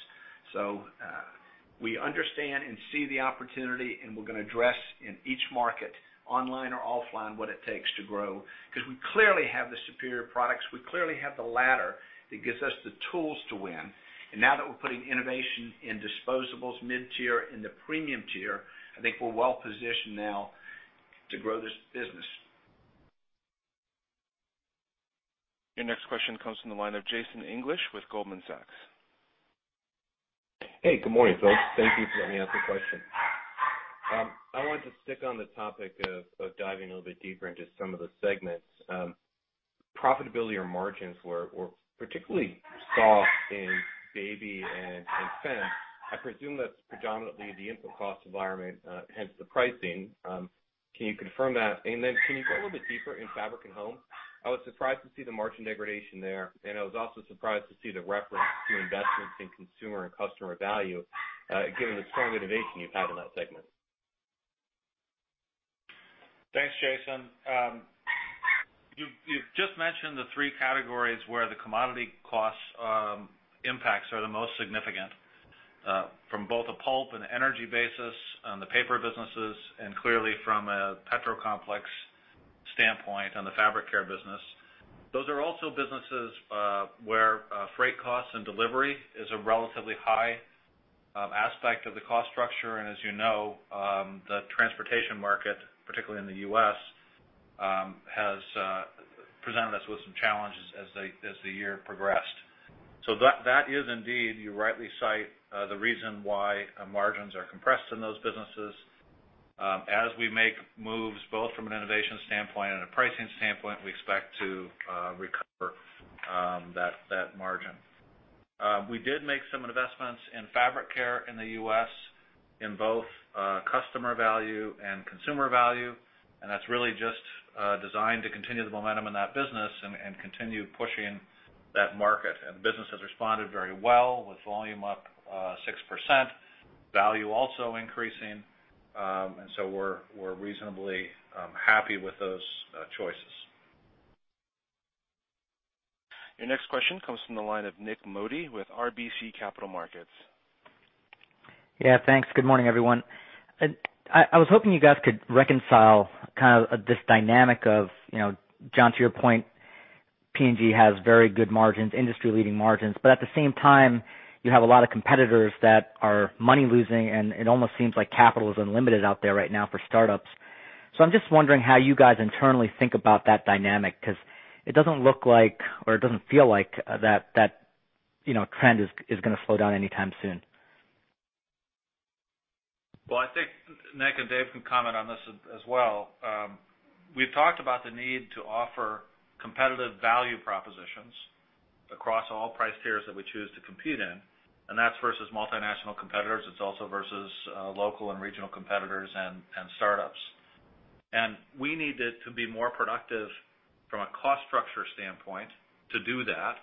Speaker 3: We understand and see the opportunity, and we're going to address in each market, online or offline, what it takes to grow, because we clearly have the superior products. We clearly have the ladder that gives us the tools to win. Now that we're putting innovation in disposables, mid-tier, and the premium tier, I think we're well positioned now to grow this business.
Speaker 1: Your next question comes from the line of Jason English with Goldman Sachs.
Speaker 7: Hey, good morning, folks. Thank you for letting me ask a question. I wanted to stick on the topic of diving a little bit deeper into some of the segments. Profitability or margins were particularly soft in baby and fem. I presume that's predominantly the input cost environment, hence the pricing. Can you confirm that? Then can you go a little bit deeper in fabric and home? I was surprised to see the margin degradation there, and I was also surprised to see the reference to investments in consumer and customer value, given the strong innovation you've had in that segment.
Speaker 2: Thanks, Jason. You've just mentioned the three categories where the commodity cost impacts are the most significant, from both a pulp and energy basis on the paper businesses, and clearly from a petro-complex standpoint on the fabric care business. Those are also businesses where freight costs and delivery is a relatively high aspect of the cost structure. As you know, the transportation market, particularly in the U.S., has presented us with some challenges as the year progressed. That is indeed, you rightly cite the reason why margins are compressed in those businesses. As we make moves, both from an innovation standpoint and a pricing standpoint, we expect to recover that margin. We did make some investments in fabric care in the U.S. in both customer value and consumer value, and that's really just designed to continue the momentum in that business and continue pushing that market. The business has responded very well, with volume up 6%, value also increasing. We're reasonably happy with those choices.
Speaker 1: Your next question comes from the line of Nik Modi with RBC Capital Markets.
Speaker 8: Yeah, thanks. Good morning, everyone. I was hoping you guys could reconcile this dynamic of, Jon, to your point, P&G has very good margins, industry-leading margins. At the same time, you have a lot of competitors that are money losing, and it almost seems like capital is unlimited out there right now for startups. I'm just wondering how you guys internally think about that dynamic, because it doesn't look like or it doesn't feel like that trend is going to slow down anytime soon.
Speaker 2: Well, I think Nik, and Dave can comment on this as well. We've talked about the need to offer competitive value propositions across all price tiers that we choose to compete in, and that's versus multinational competitors. It's also versus local and regional competitors and startups. We needed to be more productive from a cost structure standpoint to do that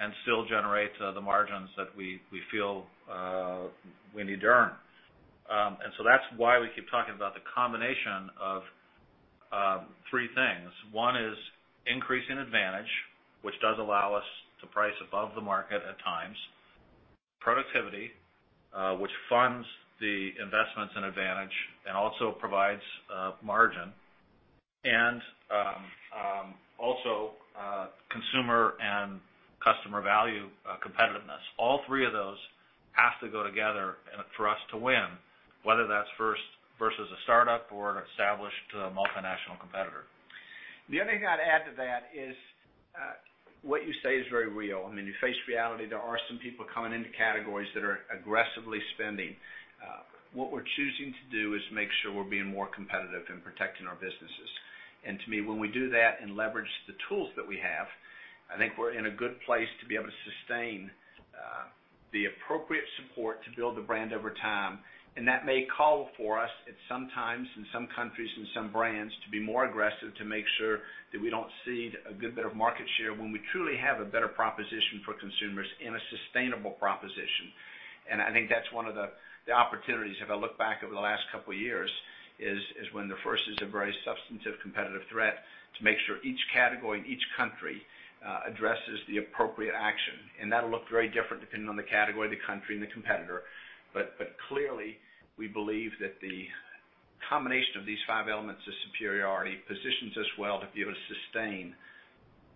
Speaker 2: and still generate the margins that we feel we need to earn. That's why we keep talking about the combination of three things. One is increasing advantage, which does allow us to price above the market at times. Productivity, which funds the investments and advantage and also provides margin. consumer and customer value competitiveness. All three of those have to go together for us to win, whether that's versus a startup or an established multinational competitor.
Speaker 3: The other thing I'd add to that is what you say is very real. You face reality. There are some people coming into categories that are aggressively spending. What we're choosing to do is make sure we're being more competitive in protecting our businesses. To me, when we do that and leverage the tools that we have, I think we're in a good place to be able to sustain the appropriate support to build the brand over time. That may call for us at some times, in some countries, in some brands, to be more aggressive to make sure that we don't cede a good bit of market share when we truly have a better proposition for consumers and a sustainable proposition. I think that's one of the opportunities, if I look back over the last couple of years, is when there first is a very substantive competitive threat to make sure each category and each country addresses the appropriate action. That'll look very different depending on the category, the country, and the competitor. Clearly, we believe that the combination of these five elements of superiority positions us well to be able to sustain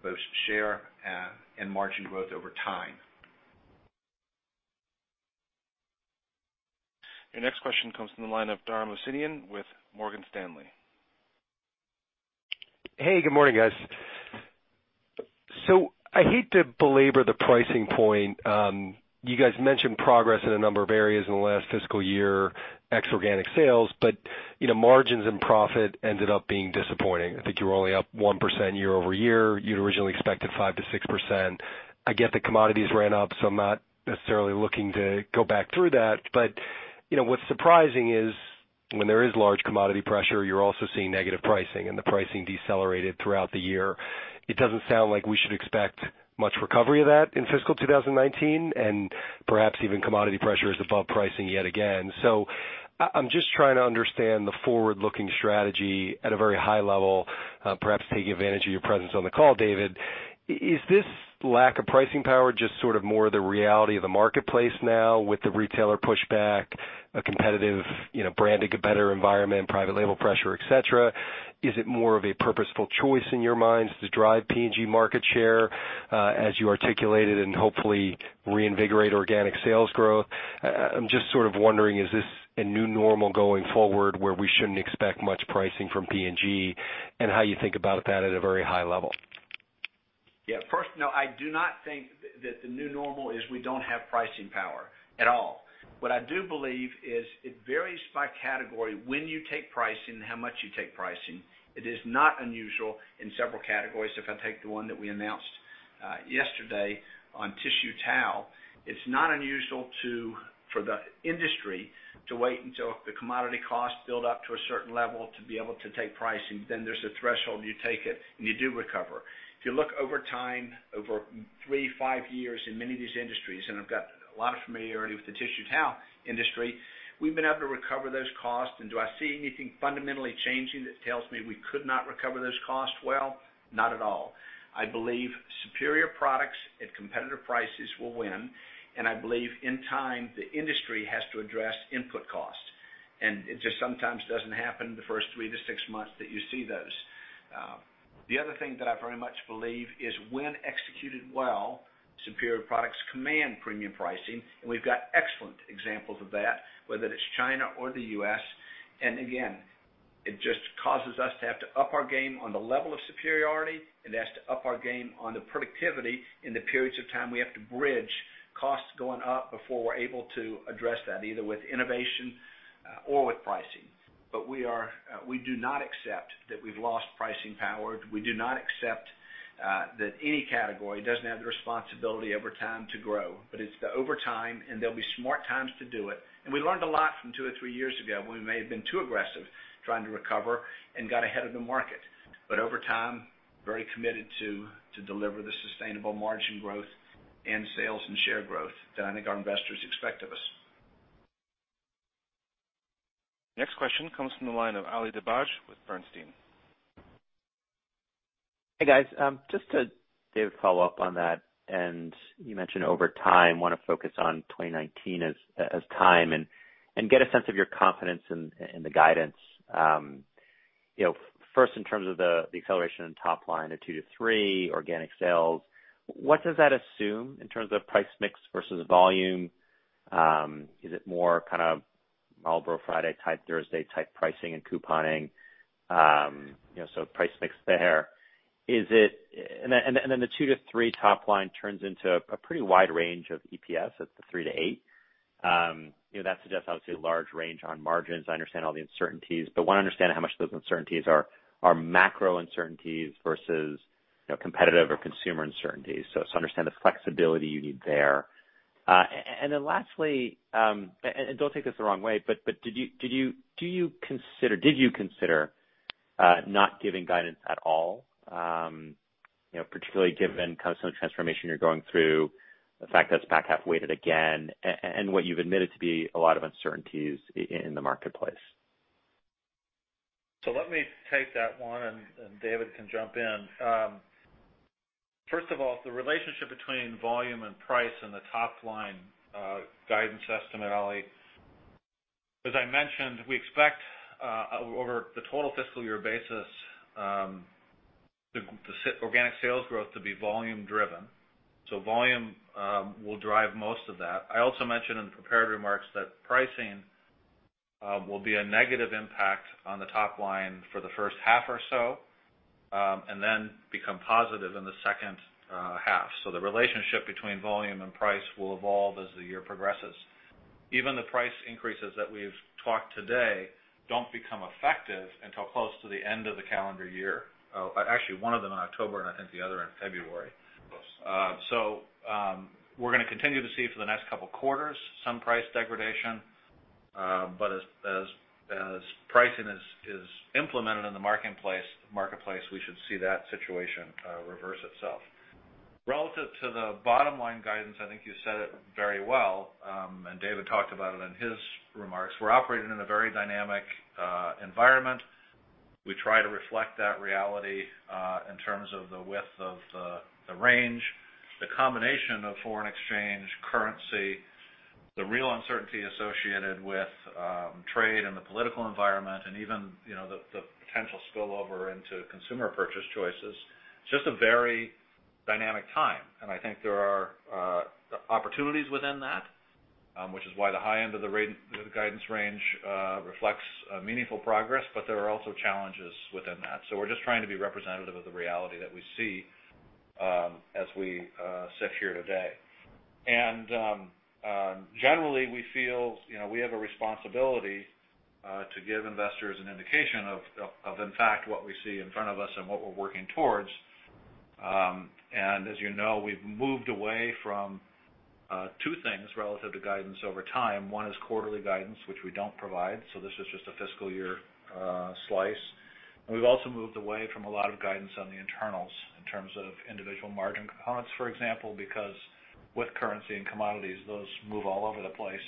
Speaker 3: both share and margin growth over time.
Speaker 1: Your next question comes from the line of Dara Mohsenian with Morgan Stanley.
Speaker 9: Good morning, guys. I hate to belabor the pricing point. You guys mentioned progress in a number of areas in the last fiscal year, ex organic sales, but margins and profit ended up being disappointing. I think you were only up 1% year-over-year. You'd originally expected 5%-6%. I get the commodities ran up, I'm not necessarily looking to go back through that. What's surprising is when there is large commodity pressure, you're also seeing negative pricing, and the pricing decelerated throughout the year. It doesn't sound like we should expect much recovery of that in FY 2019, and perhaps even commodity pressure is above pricing yet again. I'm just trying to understand the forward-looking strategy at a very high level, perhaps taking advantage of your presence on the call, David. Is this lack of pricing power just sort of more the reality of the marketplace now with the retailer pushback, a competitive branding, a better environment, private label pressure, et cetera? Is it more of a purposeful choice in your minds to drive P&G market share, as you articulated, and hopefully reinvigorate organic sales growth? I'm just sort of wondering, is this a new normal going forward where we shouldn't expect much pricing from P&G, and how you think about that at a very high level?
Speaker 3: First, no, I do not think that the new normal is we don't have pricing power at all. What I do believe is it varies by category when you take pricing, how much you take pricing. It is not unusual in several categories. If I take the one that we announced yesterday on tissue towel, it's not unusual for the industry to wait until the commodity costs build up to a certain level to be able to take pricing. There's a threshold, you take it, and you do recover. If you look over time, over three, five years in many of these industries, and I've got a lot of familiarity with the tissue towel industry, we've been able to recover those costs. Do I see anything fundamentally changing that tells me we could not recover those costs? Well, not at all. I believe superior products at competitive prices will win, and I believe in time, the industry has to address input costs. It just sometimes doesn't happen in the first three to six months that you see those. The other thing that I very much believe is when executed well, superior products command premium pricing. We've got excellent examples of that, whether it's China or the U.S. Again, it just causes us to have to up our game on the level of superiority. It asks to up our game on the productivity in the periods of time we have to bridge costs going up before we're able to address that, either with innovation or with pricing. We do not accept that we've lost pricing power. We do not accept that any category doesn't have the responsibility over time to grow. It's the over time, and there'll be smart times to do it. We learned a lot from two or three years ago when we may have been too aggressive trying to recover and got ahead of the market. Over time, very committed to deliver the sustainable margin growth and sales and share growth that I think our investors expect of us.
Speaker 1: Next question comes from the line of Ali Dibadj with Bernstein.
Speaker 10: Hey, guys. Just to, David, follow up on that. You mentioned over time, want to focus on 2019 as time, and get a sense of your confidence in the guidance. First in terms of the acceleration in top line of 2%-3% organic sales, what does that assume in terms of price mix versus volume? Is it more kind of Marlboro Friday type, Thursday type pricing and couponing? Price mix there. The 2%-3% top line turns into a pretty wide range of EPS at the 3%-8%. That suggests obviously a large range on margins. I understand all the uncertainties, but want to understand how much those uncertainties are macro uncertainties versus competitive or consumer uncertainties. Just understand the flexibility you need there. Lastly, and don't take this the wrong way, did you consider not giving guidance at all? Particularly given kind of some transformation you're going through, the fact that it's back half-weighted again, and what you've admitted to be a lot of uncertainties in the marketplace.
Speaker 2: Let me take that one, and David can jump in. First of all, the relationship between volume and price and the top-line guidance estimate, Ali. As I mentioned, we expect over the total fiscal year basis, the organic sales growth to be volume driven. Volume will drive most of that. I also mentioned in the prepared remarks that pricing will be a negative impact on the top line for the first half or so, and then become positive in the second half. The relationship between volume and price will evolve as the year progresses. Even the price increases that we've talked today don't become effective until close to the end of the calendar year. Actually, one of them in October, and I think the other in February.
Speaker 3: Close.
Speaker 2: We're going to continue to see for the next couple of quarters some price degradation. As pricing is implemented in the marketplace, we should see that situation reverse itself. Relative to the bottom-line guidance, I think you said it very well, and David talked about it in his remarks. We're operating in a very dynamic environment. We try to reflect that reality, in terms of the width of the range, the combination of foreign exchange currency, the real uncertainty associated with trade and the political environment and even the potential spillover into consumer purchase choices. It's just a very dynamic time, and I think there are opportunities within that, which is why the high end of the guidance range reflects meaningful progress, but there are also challenges within that. We're just trying to be representative of the reality that we see as we sit here today. Generally, we feel we have a responsibility to give investors an indication of in fact what we see in front of us and what we're working towards. As you know, we've moved away from two things relative to guidance over time. One is quarterly guidance, which we don't provide. This is just a fiscal year slice. We've also moved away from a lot of guidance on the internals in terms of individual margin components, for example, because with currency and commodities, those move all over the place,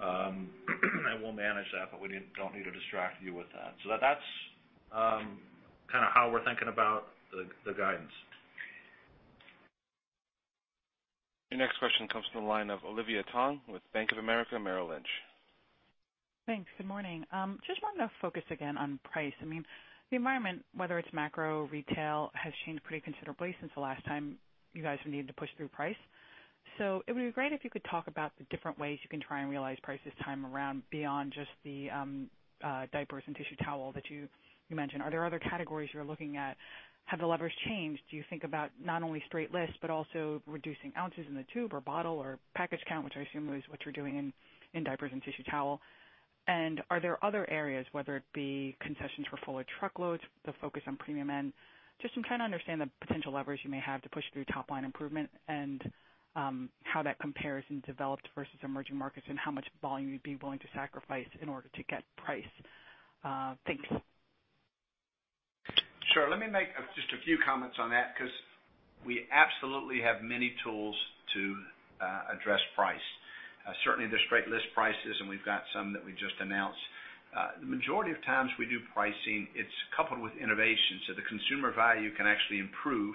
Speaker 2: and we'll manage that, but we don't need to distract you with that. That's how we're thinking about the guidance.
Speaker 1: Your next question comes from the line of Olivia Tong with Bank of America Merrill Lynch.
Speaker 11: Thanks. Good morning. Just wanted to focus again on price. The environment, whether it's macro, retail, has changed pretty considerably since the last time you guys needed to push through price. It would be great if you could talk about the different ways you can try and realize price this time around beyond just the diapers and tissue towel that you mentioned. Are there other categories you're looking at? Have the levers changed? Do you think about not only straight list, but also reducing ounces in the tube or bottle or package count, which I assume is what you're doing in diapers and tissue towel. Are there other areas, whether it be concessions for fuller truckloads, the focus on premium end, just to kind of understand the potential leverage you may have to push through top-line improvement and how that compares in developed versus emerging markets, and how much volume you'd be willing to sacrifice in order to get price. Thanks.
Speaker 3: Sure. Let me make just a few comments on that because we absolutely have many tools to address price. Certainly there's straight list prices, and we've got some that we just announced. The majority of times we do pricing, it's coupled with innovation, so the consumer value can actually improve.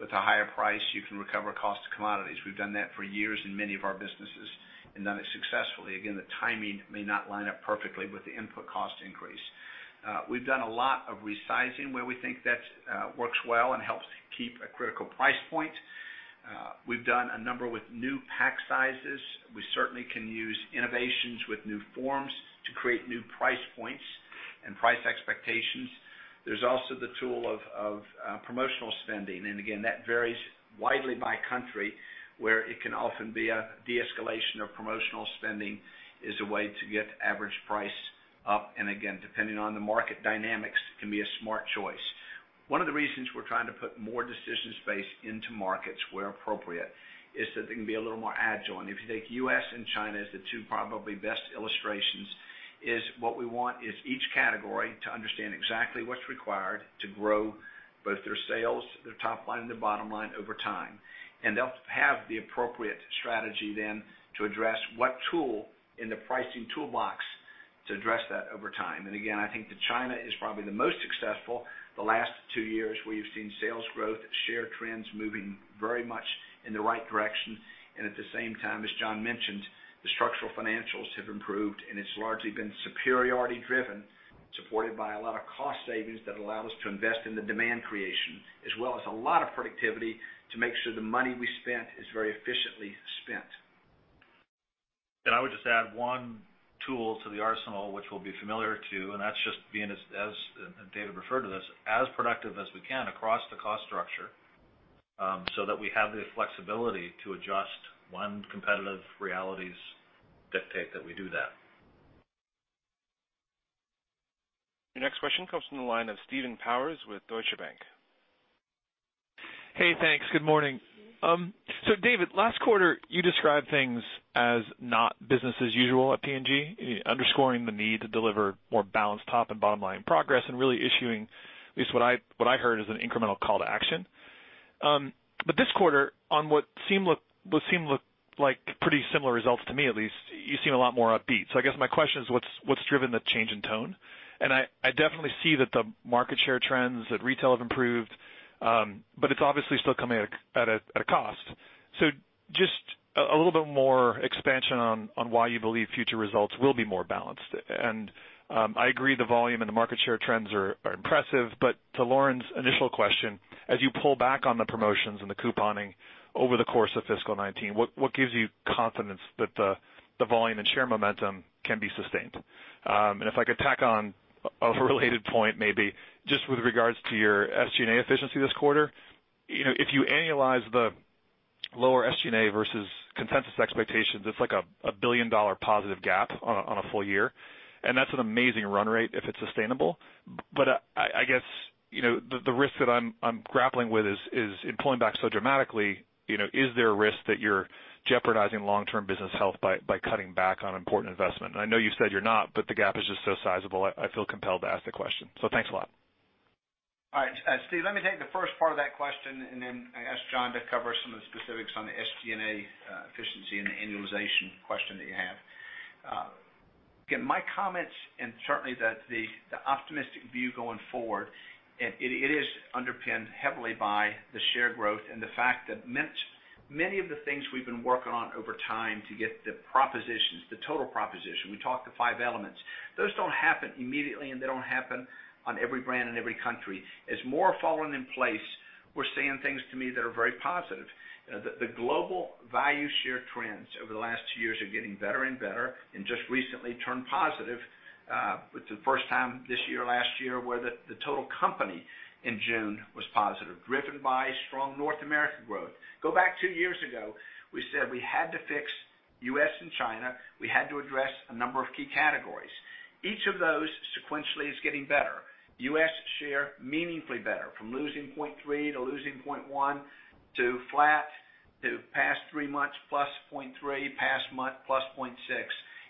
Speaker 3: With a higher price, you can recover cost of commodities. We've done that for years in many of our businesses and done it successfully. Again, the timing may not line up perfectly with the input cost increase. We've done a lot of resizing where we think that works well and helps keep a critical price point. We've done a number with new pack sizes. We certainly can use innovations with new forms to create new price points and price expectations. There's also the tool of promotional spending, and again, that varies widely by country, where it can often be a de-escalation of promotional spending is a way to get average price up, and again, depending on the market dynamics, it can be a smart choice. One of the reasons we're trying to put more decision space into markets where appropriate is so they can be a little more agile. If you take U.S. and China as the two probably best illustrations, what we want is each category to understand exactly what's required to grow both their sales, their top line, and their bottom line over time. They'll have the appropriate strategy then to address what tool in the pricing toolbox to address that over time. Again, I think that China is probably the most successful the last two years, where you've seen sales growth, share trends moving very much in the right direction. At the same time, as Jon mentioned, the structural financials have improved, and it's largely been superiority driven, supported by a lot of cost savings that allow us to invest in the demand creation, as well as a lot of productivity to make sure the money we spent is very efficiently spent.
Speaker 2: I would just add one tool to the arsenal, which we'll be familiar to, and that's just being, as David referred to this, as productive as we can across the cost structure, so that we have the flexibility to adjust when competitive realities dictate that we do that.
Speaker 1: Your next question comes from the line of Steven Powers with Deutsche Bank.
Speaker 12: Hey, thanks. Good morning. David, last quarter you described things as not business as usual at P&G, underscoring the need to deliver more balanced top and bottom-line progress and really issuing, at least what I heard, as an incremental call to action. This quarter, on what seemed like pretty similar results to me at least. You seem a lot more upbeat. I guess my question is what's driven the change in tone? I definitely see that the market share trends at retail have improved, but it's obviously still coming at a cost. Just a little bit more expansion on why you believe future results will be more balanced. I agree the volume and the market share trends are impressive. To Lauren's initial question, as you pull back on the promotions and the couponing over the course of fiscal 2019, what gives you confidence that the volume and share momentum can be sustained? If I could tack on a related point, maybe just with regard to your SG&A efficiency this quarter. If you annualize the lower SG&A versus consensus expectations, it's like a billion-dollar positive gap on a full year, and that's an amazing run rate if it's sustainable. I guess, the risk that I'm grappling with is in pulling back so dramatically, is there a risk that you're jeopardizing long-term business health by cutting back on important investment? I know you've said you're not, but the gap is just so sizable, I feel compelled to ask the question. Thanks a lot.
Speaker 3: All right, Steve, let me take the first part of that question, and then I ask Jon to cover some of the specifics on the SG&A efficiency and the annualization question that you have. Again, my comments and certainly the optimistic view going forward, it is underpinned heavily by the share growth and the fact that many of the things we've been working on over time to get the propositions, the total proposition, we talked the five elements. Those don't happen immediately, and they don't happen on every brand in every country. As more falling in place, we're seeing things to me that are very positive. The global value share trends over the last two years are getting better and better and just recently turned positive, with the first time this year, last year, where the total company in June was positive, driven by strong North American growth. Go back two years ago, we said we had to fix U.S. and China. We had to address a number of key categories. Each of those sequentially is getting better. U.S. share meaningfully better from losing 0.3 to losing 0.1 to flat to past three months plus 0.3, past month plus 0.6.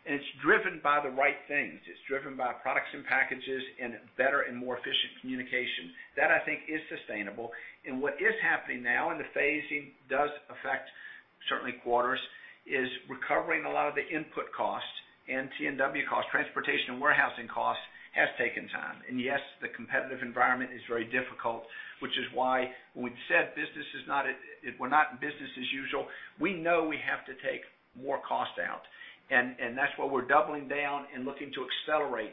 Speaker 3: It's driven by the right things. It's driven by products and packages and better and more efficient communication. That, I think, is sustainable. What is happening now, and the phasing does affect certainly quarters, is recovering a lot of the input costs and T&W costs, transportation and warehousing costs, has taken time. Yes, the competitive environment is very difficult, which is why we've said we're not in business as usual. We know we have to take more cost out, that's why we're doubling down and looking to accelerate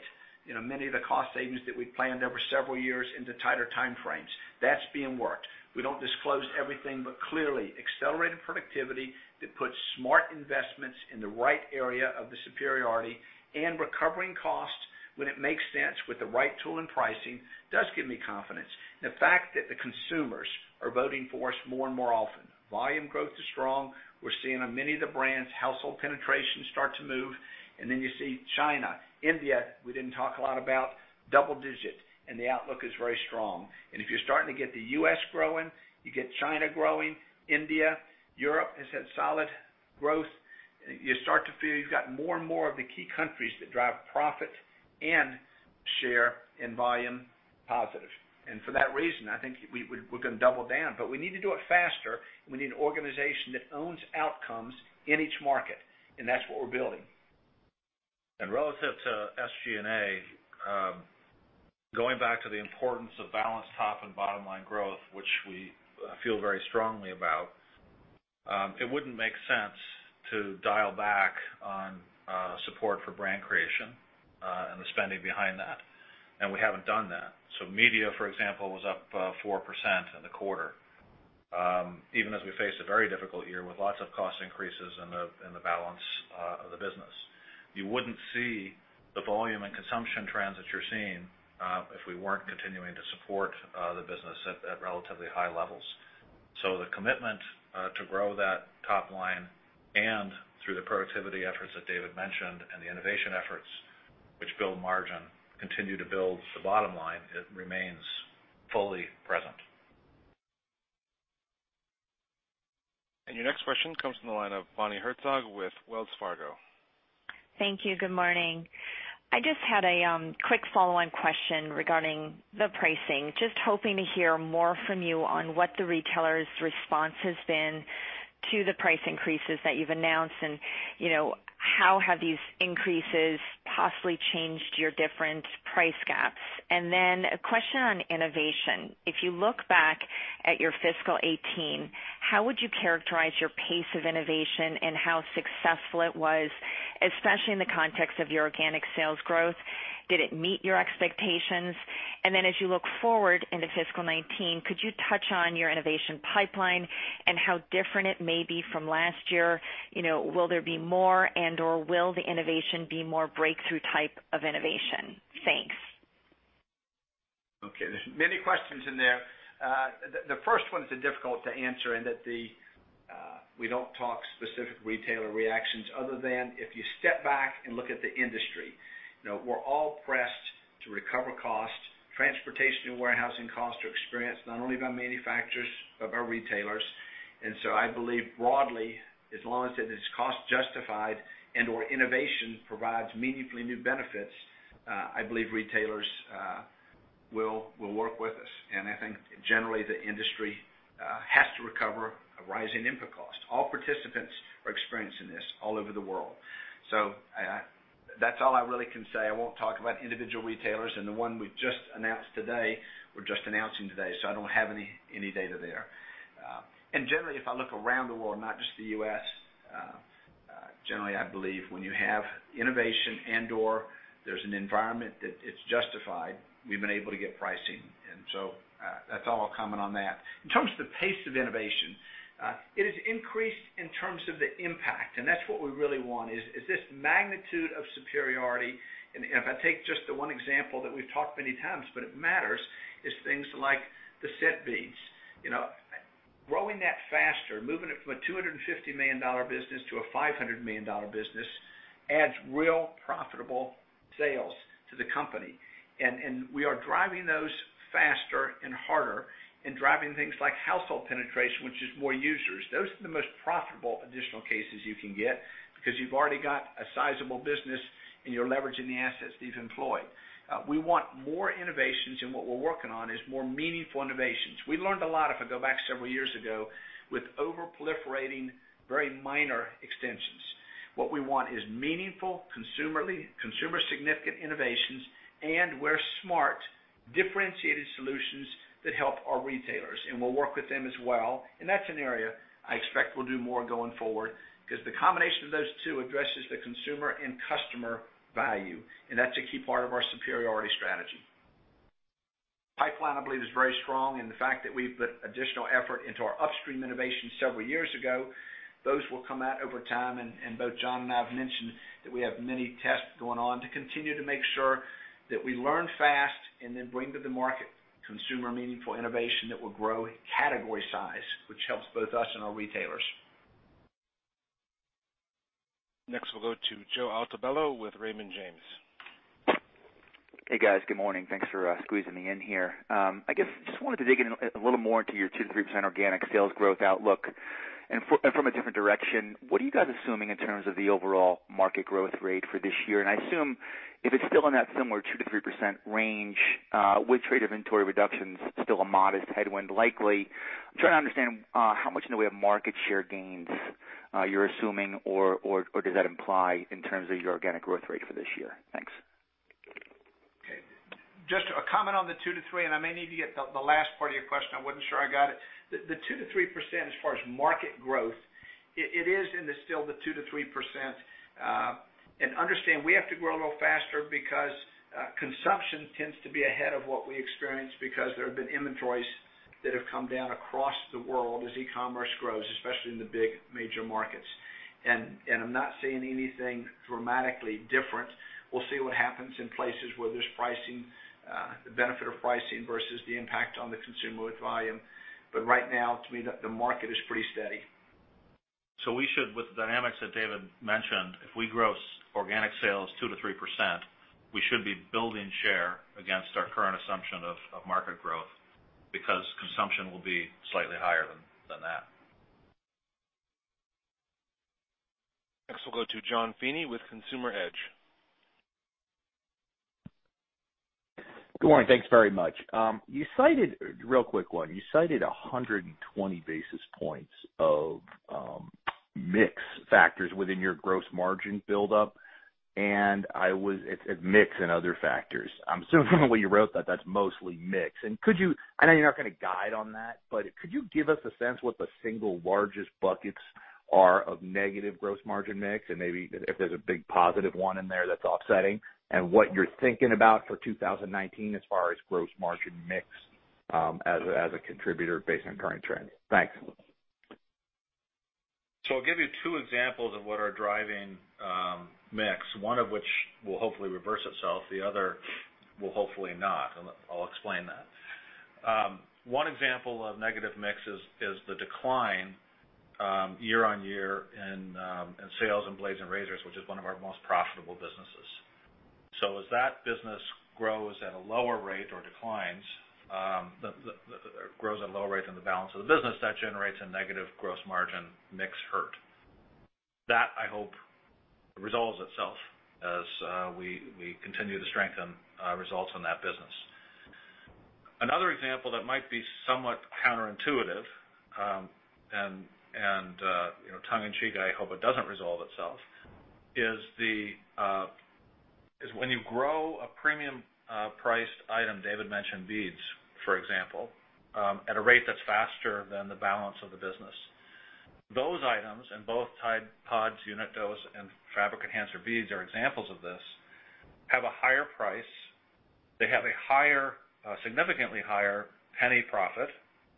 Speaker 3: many of the cost savings that we planned over several years into tighter time frames. That's being worked. We don't disclose everything, but clearly accelerated productivity that puts smart investments in the right area of the superiority and recovering costs when it makes sense with the right tool and pricing does give me confidence. The fact that the consumers are voting for us more and more often. Volume growth is strong. We're seeing on many of the brands, household penetration start to move. You see China, India, we didn't talk a lot about, double digit, the outlook is very strong. If you're starting to get the U.S. growing, you get China growing, India, Europe has had solid growth. You start to feel you've got more and more of the key countries that drive profit and share and volume positive. For that reason, I think we're gonna double down, we need to do it faster, we need an organization that owns outcomes in each market, that's what we're building.
Speaker 2: Relative to SG&A, going back to the importance of balanced top and bottom line growth, which we feel very strongly about, it wouldn't make sense to dial back on support for brand creation the spending behind that. We haven't done that. Media, for example, was up 4% in the quarter, even as we faced a very difficult year with lots of cost increases in the balance of the business. You wouldn't see the volume and consumption trends that you're seeing, if we weren't continuing to support the business at relatively high levels. The commitment to grow that top line through the productivity efforts that David mentioned and the innovation efforts which build margin, continue to build the bottom line, it remains fully present.
Speaker 1: Your next question comes from the line of Bonnie Herzog with Wells Fargo.
Speaker 13: Thank you. Good morning. I just had a quick follow-on question regarding the pricing. Just hoping to hear more from you on what the retailers' response has been to the price increases that you've announced, how have these increases possibly changed your different price gaps? A question on innovation. If you look back at your fiscal 2018, how would you characterize your pace of innovation and how successful it was, especially in the context of your organic sales growth? Did it meet your expectations? As you look forward into fiscal 2019, could you touch on your innovation pipeline and how different it may be from last year? Will there be more and/or will the innovation be more breakthrough type of innovation? Thanks.
Speaker 3: Okay. There's many questions in there. The first one is difficult to answer in that we don't talk specific retailer reactions other than if you step back and look at the industry. We're all pressed to recover cost. Transportation and warehousing costs are experienced not only by manufacturers, but by retailers. So I believe broadly, as long as it is cost justified and/or innovation provides meaningfully new benefits, I believe retailers will work with us. I think generally the industry has to recover a rising input cost. All participants are experiencing this all over the world. That's all I really can say. I won't talk about individual retailers and the one we've just announced today, we're just announcing today, so I don't have any data there. Generally, if I look around the world, not just the U.S., generally, I believe when you have innovation and/or there's an environment that it's justified, we've been able to get pricing. So that's all I'll comment on that. In terms of the pace of innovation, it has increased in terms of the impact, and that's what we really want, is this magnitude of superiority. If I take just the one example that we've talked many times, but it matters, is things like the scent beads. Growing that faster, moving it from a $250 million business to a $500 million business adds real profitable sales to the company. We are driving those faster and harder and driving things like household penetration, which is more users. Those are the most profitable additional cases you can get because you've already got a sizable business, and you're leveraging the assets that you've employed. We want more innovations, what we're working on is more meaningful innovations. We learned a lot, if I go back several years ago, with over-proliferating very minor extensions. What we want is meaningful, consumer-significant innovations, where smart, differentiated solutions that help our retailers, and we'll work with them as well. That's an area I expect we'll do more going forward because the combination of those two addresses the consumer and customer value, and that's a key part of our superiority strategy. Pipeline, I believe, is very strong. The fact that we've put additional effort into our upstream innovation several years ago, those will come out over time. Both Jon and I have mentioned that we have many tests going on to continue to make sure that we learn fast and then bring to the market consumer meaningful innovation that will grow category size, which helps both us and our retailers.
Speaker 1: Next, we'll go to Joseph Altobello with Raymond James.
Speaker 14: Hey, guys. Good morning. Thanks for squeezing me in here. I guess, just wanted to dig in a little more into your 2%-3% organic sales growth outlook. From a different direction, what are you guys assuming in terms of the overall market growth rate for this year? I assume if it's still in that similar 2%-3% range, with trade inventory reductions still a modest headwind likely, I'm trying to understand how much in the way of market share gains you're assuming or does that imply in terms of your organic growth rate for this year? Thanks.
Speaker 3: Okay. Just a comment on the 2%-3%. I may need to get the last part of your question. I wasn't sure I got it. The 2%-3% as far as market growth, it is in the still the 2%-3%. Understand, we have to grow a little faster because consumption tends to be ahead of what we experience because there have been inventories that have come down across the world as e-commerce grows, especially in the big major markets. I'm not saying anything dramatically different. We'll see what happens in places where there's the benefit of pricing versus the impact on the consumer with volume. Right now, to me, the market is pretty steady.
Speaker 2: We should, with the dynamics that David mentioned, if we gross organic sales 2%-3%, we should be building share against our current assumption of market growth because consumption will be slightly higher than that.
Speaker 1: Next, we'll go to Jonathan Feeney with Consumer Edge.
Speaker 15: Good morning. Thanks very much. Real quick one. You cited 120 basis points of mix factors within your gross margin buildup, and it's mix and other factors. I'm assuming from the way you wrote that's mostly mix. I know you're not going to guide on that, but could you give us a sense what the single largest buckets are of negative gross margin mix, and maybe if there's a big positive one in there that's offsetting, and what you're thinking about for 2019 as far as gross margin mix, as a contributor based on current trends? Thanks.
Speaker 2: I'll give you two examples of what are driving mix, one of which will hopefully reverse itself, the other will hopefully not, and I'll explain that. One example of negative mix is the decline year-on-year in sales in blades and razors, which is one of our most profitable businesses. As that business grows at a lower rate or declines, grows at a lower rate than the balance of the business, that generates a negative gross margin mix hurt. That, I hope, resolves itself as we continue to strengthen results in that business. Another example that might be somewhat counterintuitive, and tongue in cheek, I hope it doesn't resolve itself, is when you grow a premium priced item, David mentioned beads, for example, at a rate that's faster than the balance of the business. Those items, and both Tide PODS, Unit Dose, and Fabric Enhancer Beads are examples of this, have a higher price. They have a significantly higher penny profit,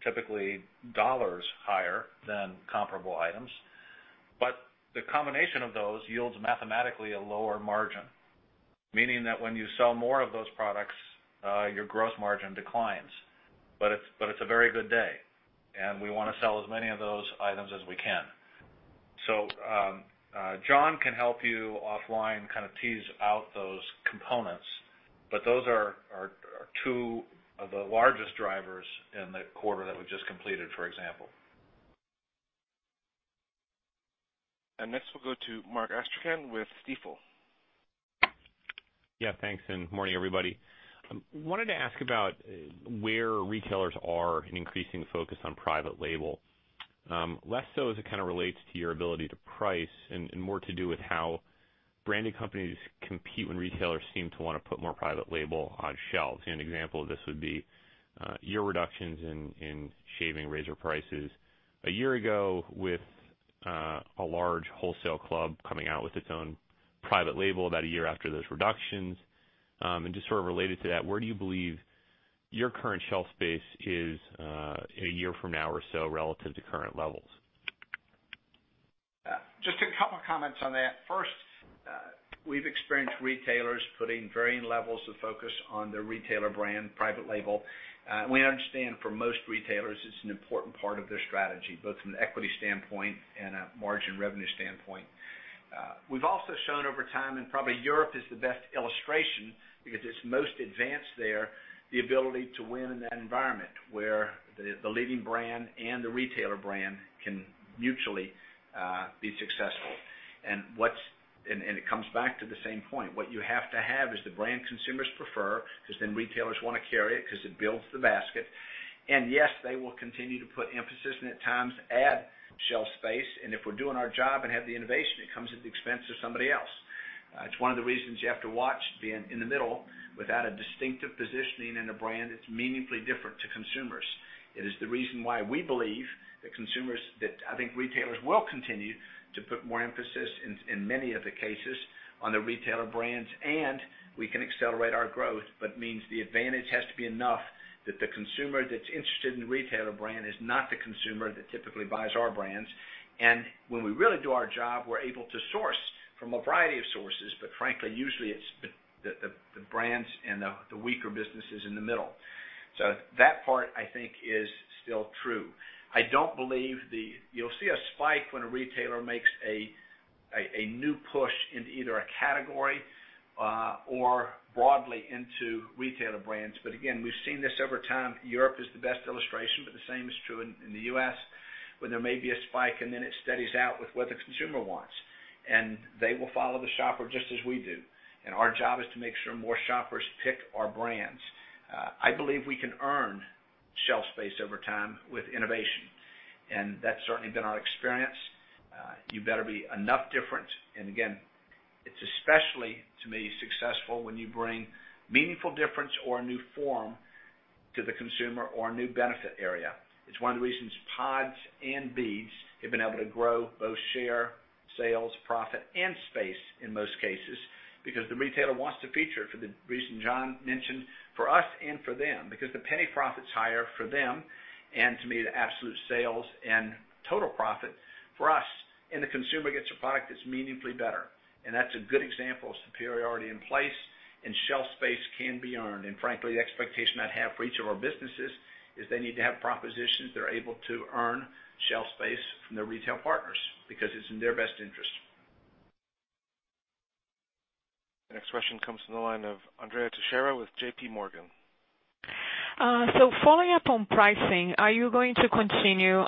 Speaker 2: typically dollars higher than comparable items. The combination of those yields mathematically a lower margin, meaning that when you sell more of those products, your gross margin declines. It's a very good day, and we want to sell as many of those items as we can. John can help you offline tease out those components, but those are two of the largest drivers in the quarter that we've just completed, for example.
Speaker 1: Next we'll go to Mark Astrachan with Stifel.
Speaker 16: Thanks, and morning, everybody. I wanted to ask about where retailers are in increasing focus on private label. Less so as it kind of relates to your ability to price and more to do with how branding companies compete when retailers seem to want to put more private label on shelves. An example of this would be your reductions in shaving razor prices a year ago with a large wholesale club coming out with its own private label about a year after those reductions. Just sort of related to that, where do you believe your current shelf space is in a year from now or so relative to current levels?
Speaker 3: Just a couple comments on that. First, we've experienced retailers putting varying levels of focus on their retailer brand private label. We understand for most retailers, it's an important part of their strategy, both from an equity standpoint and a margin revenue standpoint. We've also shown over time, and probably Europe is the best illustration because it's most advanced there, the ability to win in that environment where the leading brand and the retailer brand can mutually be successful. It comes back to the same point. What you have to have is the brand consumers prefer, because then retailers want to carry it because it builds the basket. Yes, they will continue to put emphasis and at times add shelf space. If we're doing our job and have the innovation, it comes at the expense of somebody else. It's one of the reasons you have to watch being in the middle without a distinctive positioning and a brand that's meaningfully different to consumers. It is the reason why we believe that I think retailers will continue to put more emphasis in many of the cases on the retailer brands, and we can accelerate our growth, but means the advantage has to be enough that the consumer that's interested in the retailer brand is not the consumer that typically buys our brands. When we really do our job, we're able to source from a variety of sources, frankly, usually it's the brands and the weaker businesses in the middle. That part, I think, is still true. You'll see a spike when a retailer makes a new push into either a category or broadly into retailer brands. Again, we've seen this over time. Europe is the best illustration, the same is true in the U.S., where there may be a spike, then it steadies out with what the consumer wants, and they will follow the shopper just as we do. Our job is to make sure more shoppers pick our brands. I believe we can earn shelf space over time with innovation, and that's certainly been our experience. You better be enough different, and again, it's especially, to me, successful when you bring meaningful difference or a new form to the consumer or a new benefit area. It's one of the reasons Pods and Beads have been able to grow both share, sales, profit, and space in most cases, because the retailer wants to feature for the reason Jon mentioned, for us and for them, because the penny profit's higher for them, and to me, the absolute sales and total profit for us, and the consumer gets a product that's meaningfully better. That's a good example of superiority in place, and shelf space can be earned. Frankly, the expectation I'd have for each of our businesses is they need to have propositions they're able to earn shelf space from their retail partners because it's in their best interest.
Speaker 1: The next question comes from the line of Andrea Teixeira with JP Morgan.
Speaker 17: Following up on pricing, are you going to continue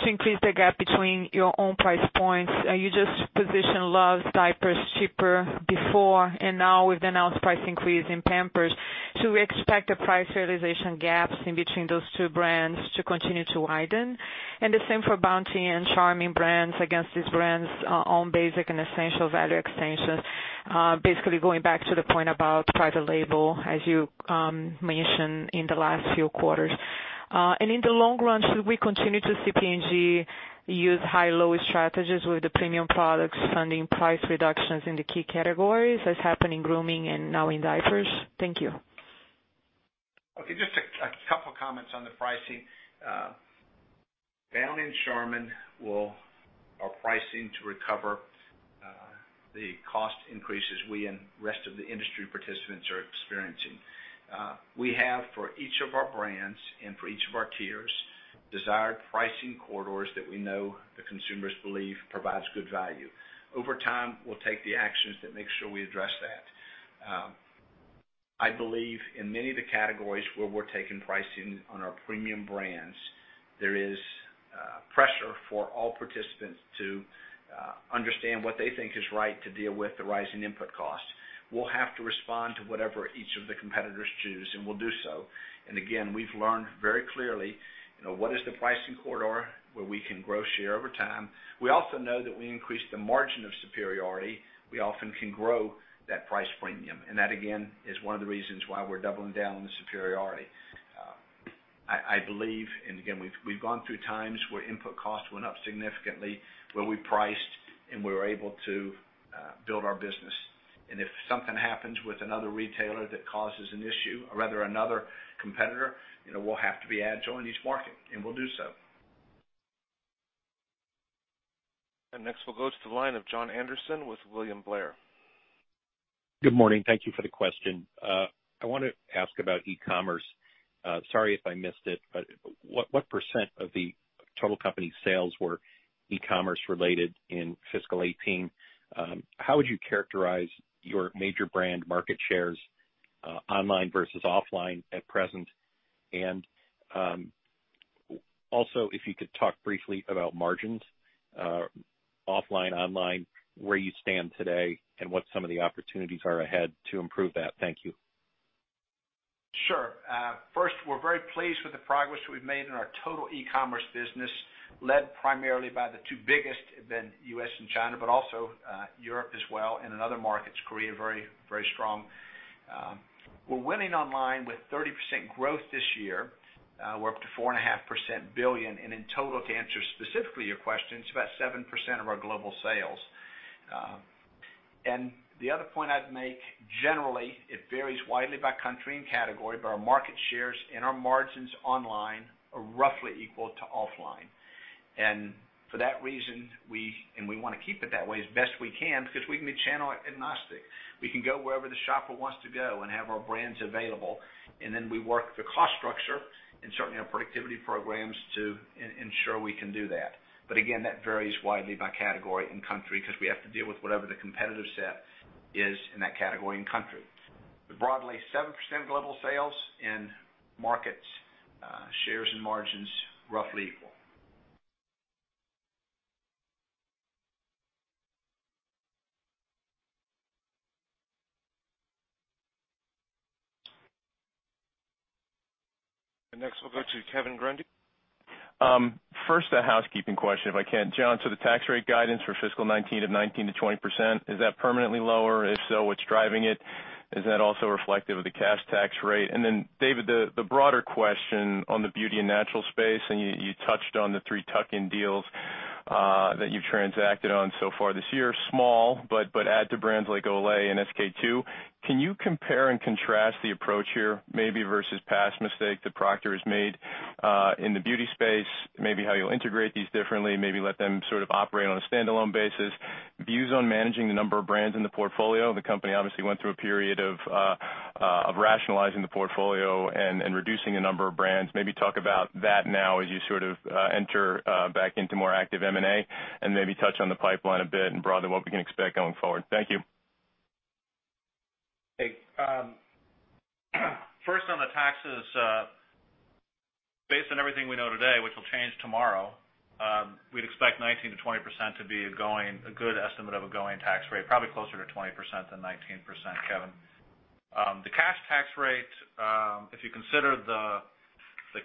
Speaker 17: to increase the gap between your own price points? You just positioned Luvs diapers cheaper before, and now we've announced price increase in Pampers. Should we expect the price realization gaps in between those two brands to continue to widen? The same for Bounty and Charmin brands against these brands' own basic and essential value extensions. Basically going back to the point about private label, as you mentioned in the last few quarters. In the long run, should we continue to see P&G use high-low strategies with the premium products funding price reductions in the key categories, as happened in grooming and now in diapers? Thank you.
Speaker 3: Okay, just a couple comments on the pricing. Bounty and Charmin are pricing to recover the cost increases we and rest of the industry participants are experiencing. We have for each of our brands and for each of our tiers, desired pricing corridors that we know the consumers believe provides good value. Over time, we'll take the actions that make sure we address that. I believe in many of the categories where we're taking pricing on our premium brands, there is pressure for all participants to understand what they think is right to deal with the rising input costs. We'll have to respond to whatever each of the competitors choose, and we'll do so. Again, we've learned very clearly, what is the pricing corridor where we can grow share over time. We also know that we increase the margin of superiority, we often can grow that price premium. That again, is one of the reasons why we're doubling down on the superiority. I believe, and again, we've gone through times where input costs went up significantly, where we priced, and we were able to build our business. If something happens with another retailer that causes an issue, or rather another competitor, we'll have to be agile in each market, and we'll do so.
Speaker 1: Next we'll go to the line of Jon Andersen with William Blair.
Speaker 18: Good morning. Thank you for the question. I want to ask about e-commerce. Sorry if I missed it, but what percent of the total company sales were e-commerce related in fiscal 2018? How would you characterize your major brand market shares online versus offline at present. Also, if you could talk briefly about margins, offline, online, where you stand today, and what some of the opportunities are ahead to improve that. Thank you.
Speaker 3: Sure. First, we're very pleased with the progress we've made in our total e-commerce business, led primarily by the two biggest, then U.S. and China, but also Europe as well, and in other markets, Korea, very strong. We're winning online with 30% growth this year. We're up to $4.5 billion. In total, to answer specifically your question, it's about 7% of our global sales. The other point I'd make, generally, it varies widely by country and category, but our market shares and our margins online are roughly equal to offline. For that reason, and we want to keep it that way as best we can because we can be channel agnostic. We can go wherever the shopper wants to go and have our brands available. Then we work the cost structure and certainly our productivity programs to ensure we can do that. Again, that varies widely by category and country because we have to deal with whatever the competitive set is in that category and country. Broadly, 7% of global sales in markets, shares, and margins, roughly equal.
Speaker 1: Next we'll go to Kevin Grundy.
Speaker 19: First, a housekeeping question, if I can. Jon, the tax rate guidance for fiscal 2019 of 19%-20%, is that permanently lower? If so, what's driving it? Is that also reflective of the cash tax rate? David, the broader question on the beauty and natural space, and you touched on the three tuck-in deals that you've transacted on so far this year. Small, but add to brands like Olay and SK-II. Can you compare and contrast the approach here maybe versus past mistakes that Procter has made in the beauty space, maybe how you'll integrate these differently, maybe let them sort of operate on a standalone basis, views on managing the number of brands in the portfolio. The company obviously went through a period of rationalizing the portfolio and reducing the number of brands. Maybe talk about that now as you sort of enter back into more active M&A, maybe touch on the pipeline a bit and broadly what we can expect going forward. Thank you.
Speaker 2: Hey. First on the taxes, based on everything we know today, which will change tomorrow, we'd expect 19%-20% to be a good estimate of a going tax rate, probably closer to 20% than 19%, Kevin. The cash tax rate, if you consider the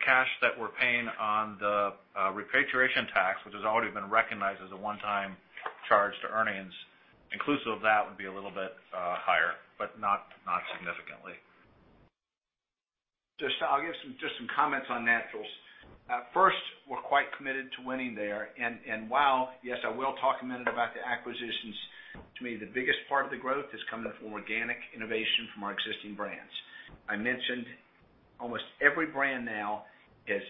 Speaker 2: cash that we're paying on the repatriation tax, which has already been recognized as a one-time charge to earnings, inclusive of that would be a little bit higher, but not significantly. I'll give just some comments on Naturals. First, we're quite committed to winning there, and while, yes, I will talk a minute about the acquisitions, to me, the biggest part of the growth is coming from organic innovation from our existing brands.
Speaker 3: I mentioned almost every brand now has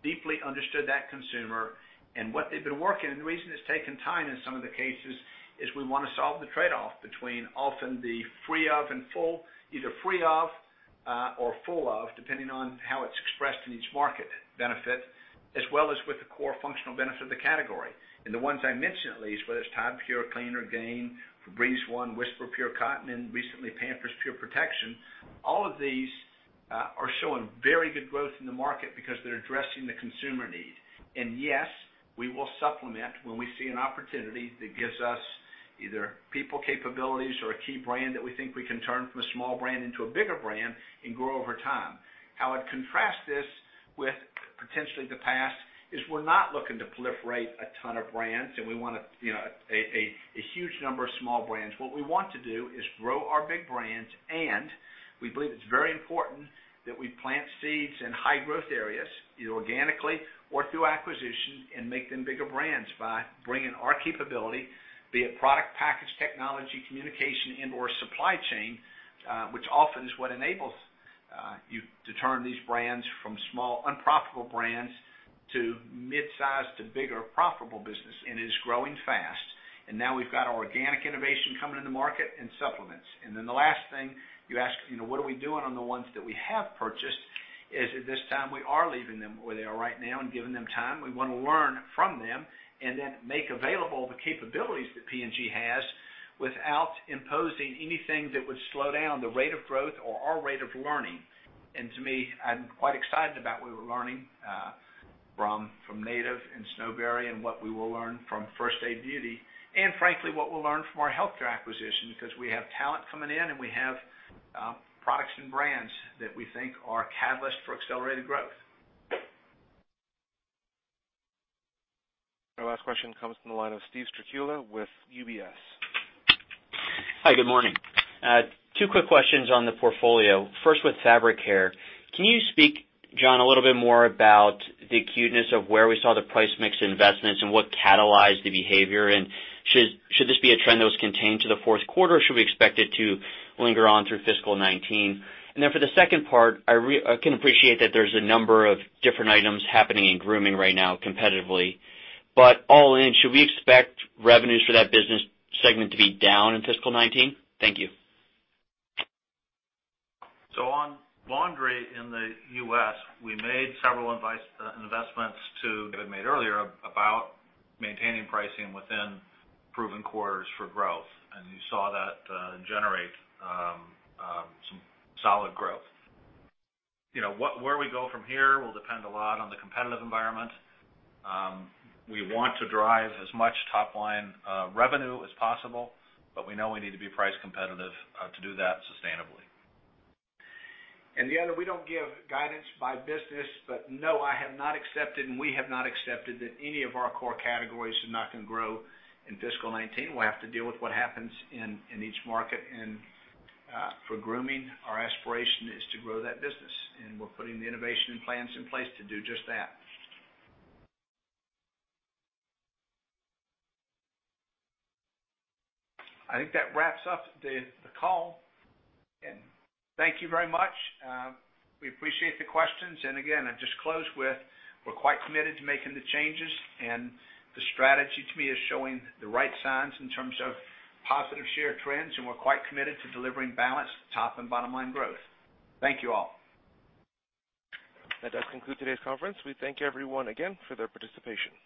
Speaker 3: deeply understood that consumer and what they've been. The reason it's taken time in some of the cases is we want to solve the trade-off between often the free of and full, either free of or full of, depending on how it's expressed in each market benefit, as well as with the core functional benefit of the category. The ones I mentioned at least, whether it's Tide purclean or Gain, Febreze ONE, Whisper Pure Cotton, and recently Pampers Pure Protection, all of these are showing very good growth in the market because they're addressing the consumer need. Yes, we will supplement when we see an opportunity that gives us either people capabilities or a key brand that we think we can turn from a small brand into a bigger brand and grow over time. How I'd contrast this with potentially the past is we're not looking to proliferate a ton of brands, and we want a huge number of small brands. What we want to do is grow our big brands, and we believe it's very important that we plant seeds in high-growth areas, either organically or through acquisition, and make them bigger brands by bringing our capability, be it product, package, technology, communication, and/or supply chain, which often is what enables you to turn these brands from small, unprofitable brands to mid-size to bigger profitable business, and is growing fast. Now we've got organic innovation coming in the market and supplements. The last thing you asked, what are we doing on the ones that we have purchased, is at this time we are leaving them where they are right now and giving them time. We want to learn from them and then make available the capabilities that P&G has without imposing anything that would slow down the rate of growth or our rate of learning. To me, I'm quite excited about what we're learning from Native and Snowberry and what we will learn from First Aid Beauty, and frankly, what we'll learn from our healthcare acquisition because we have talent coming in, and we have products and brands that we think are a catalyst for accelerated growth.
Speaker 1: Our last question comes from the line of Steven Strycula with UBS.
Speaker 20: Hi, good morning. Two quick questions on the portfolio. First, with Fabric Care. Can you speak, Jon, a little bit more about the acuteness of where we saw the price mix investments and what catalyzed the behavior? Should this be a trend that was contained to the fourth quarter, or should we expect it to linger on through fiscal 2019? For the second part, I can appreciate that there's a number of different items happening in Grooming right now competitively. All in, should we expect revenues for that business segment to be down in fiscal 2019? Thank you.
Speaker 2: On laundry in the U.S., we made several investments David made earlier about maintaining pricing within proven quarters for growth. You saw that generate some solid growth. Where we go from here will depend a lot on the competitive environment. We want to drive as much top-line revenue as possible, we know we need to be price competitive to do that sustainably.
Speaker 3: The other, we don't give guidance by business, no, I have not accepted, we have not accepted that any of our core categories are not going to grow in fiscal 2019. We'll have to deal with what happens in each market. For Grooming, our aspiration is to grow that business, we're putting the innovation and plans in place to do just that. I think that wraps up the call. Thank you very much. We appreciate the questions. Again, I just close with, we're quite committed to making the changes, the strategy to me is showing the right signs in terms of positive share trends, we're quite committed to delivering balanced top and bottom-line growth. Thank you all.
Speaker 1: That does conclude today's conference. We thank everyone again for their participation.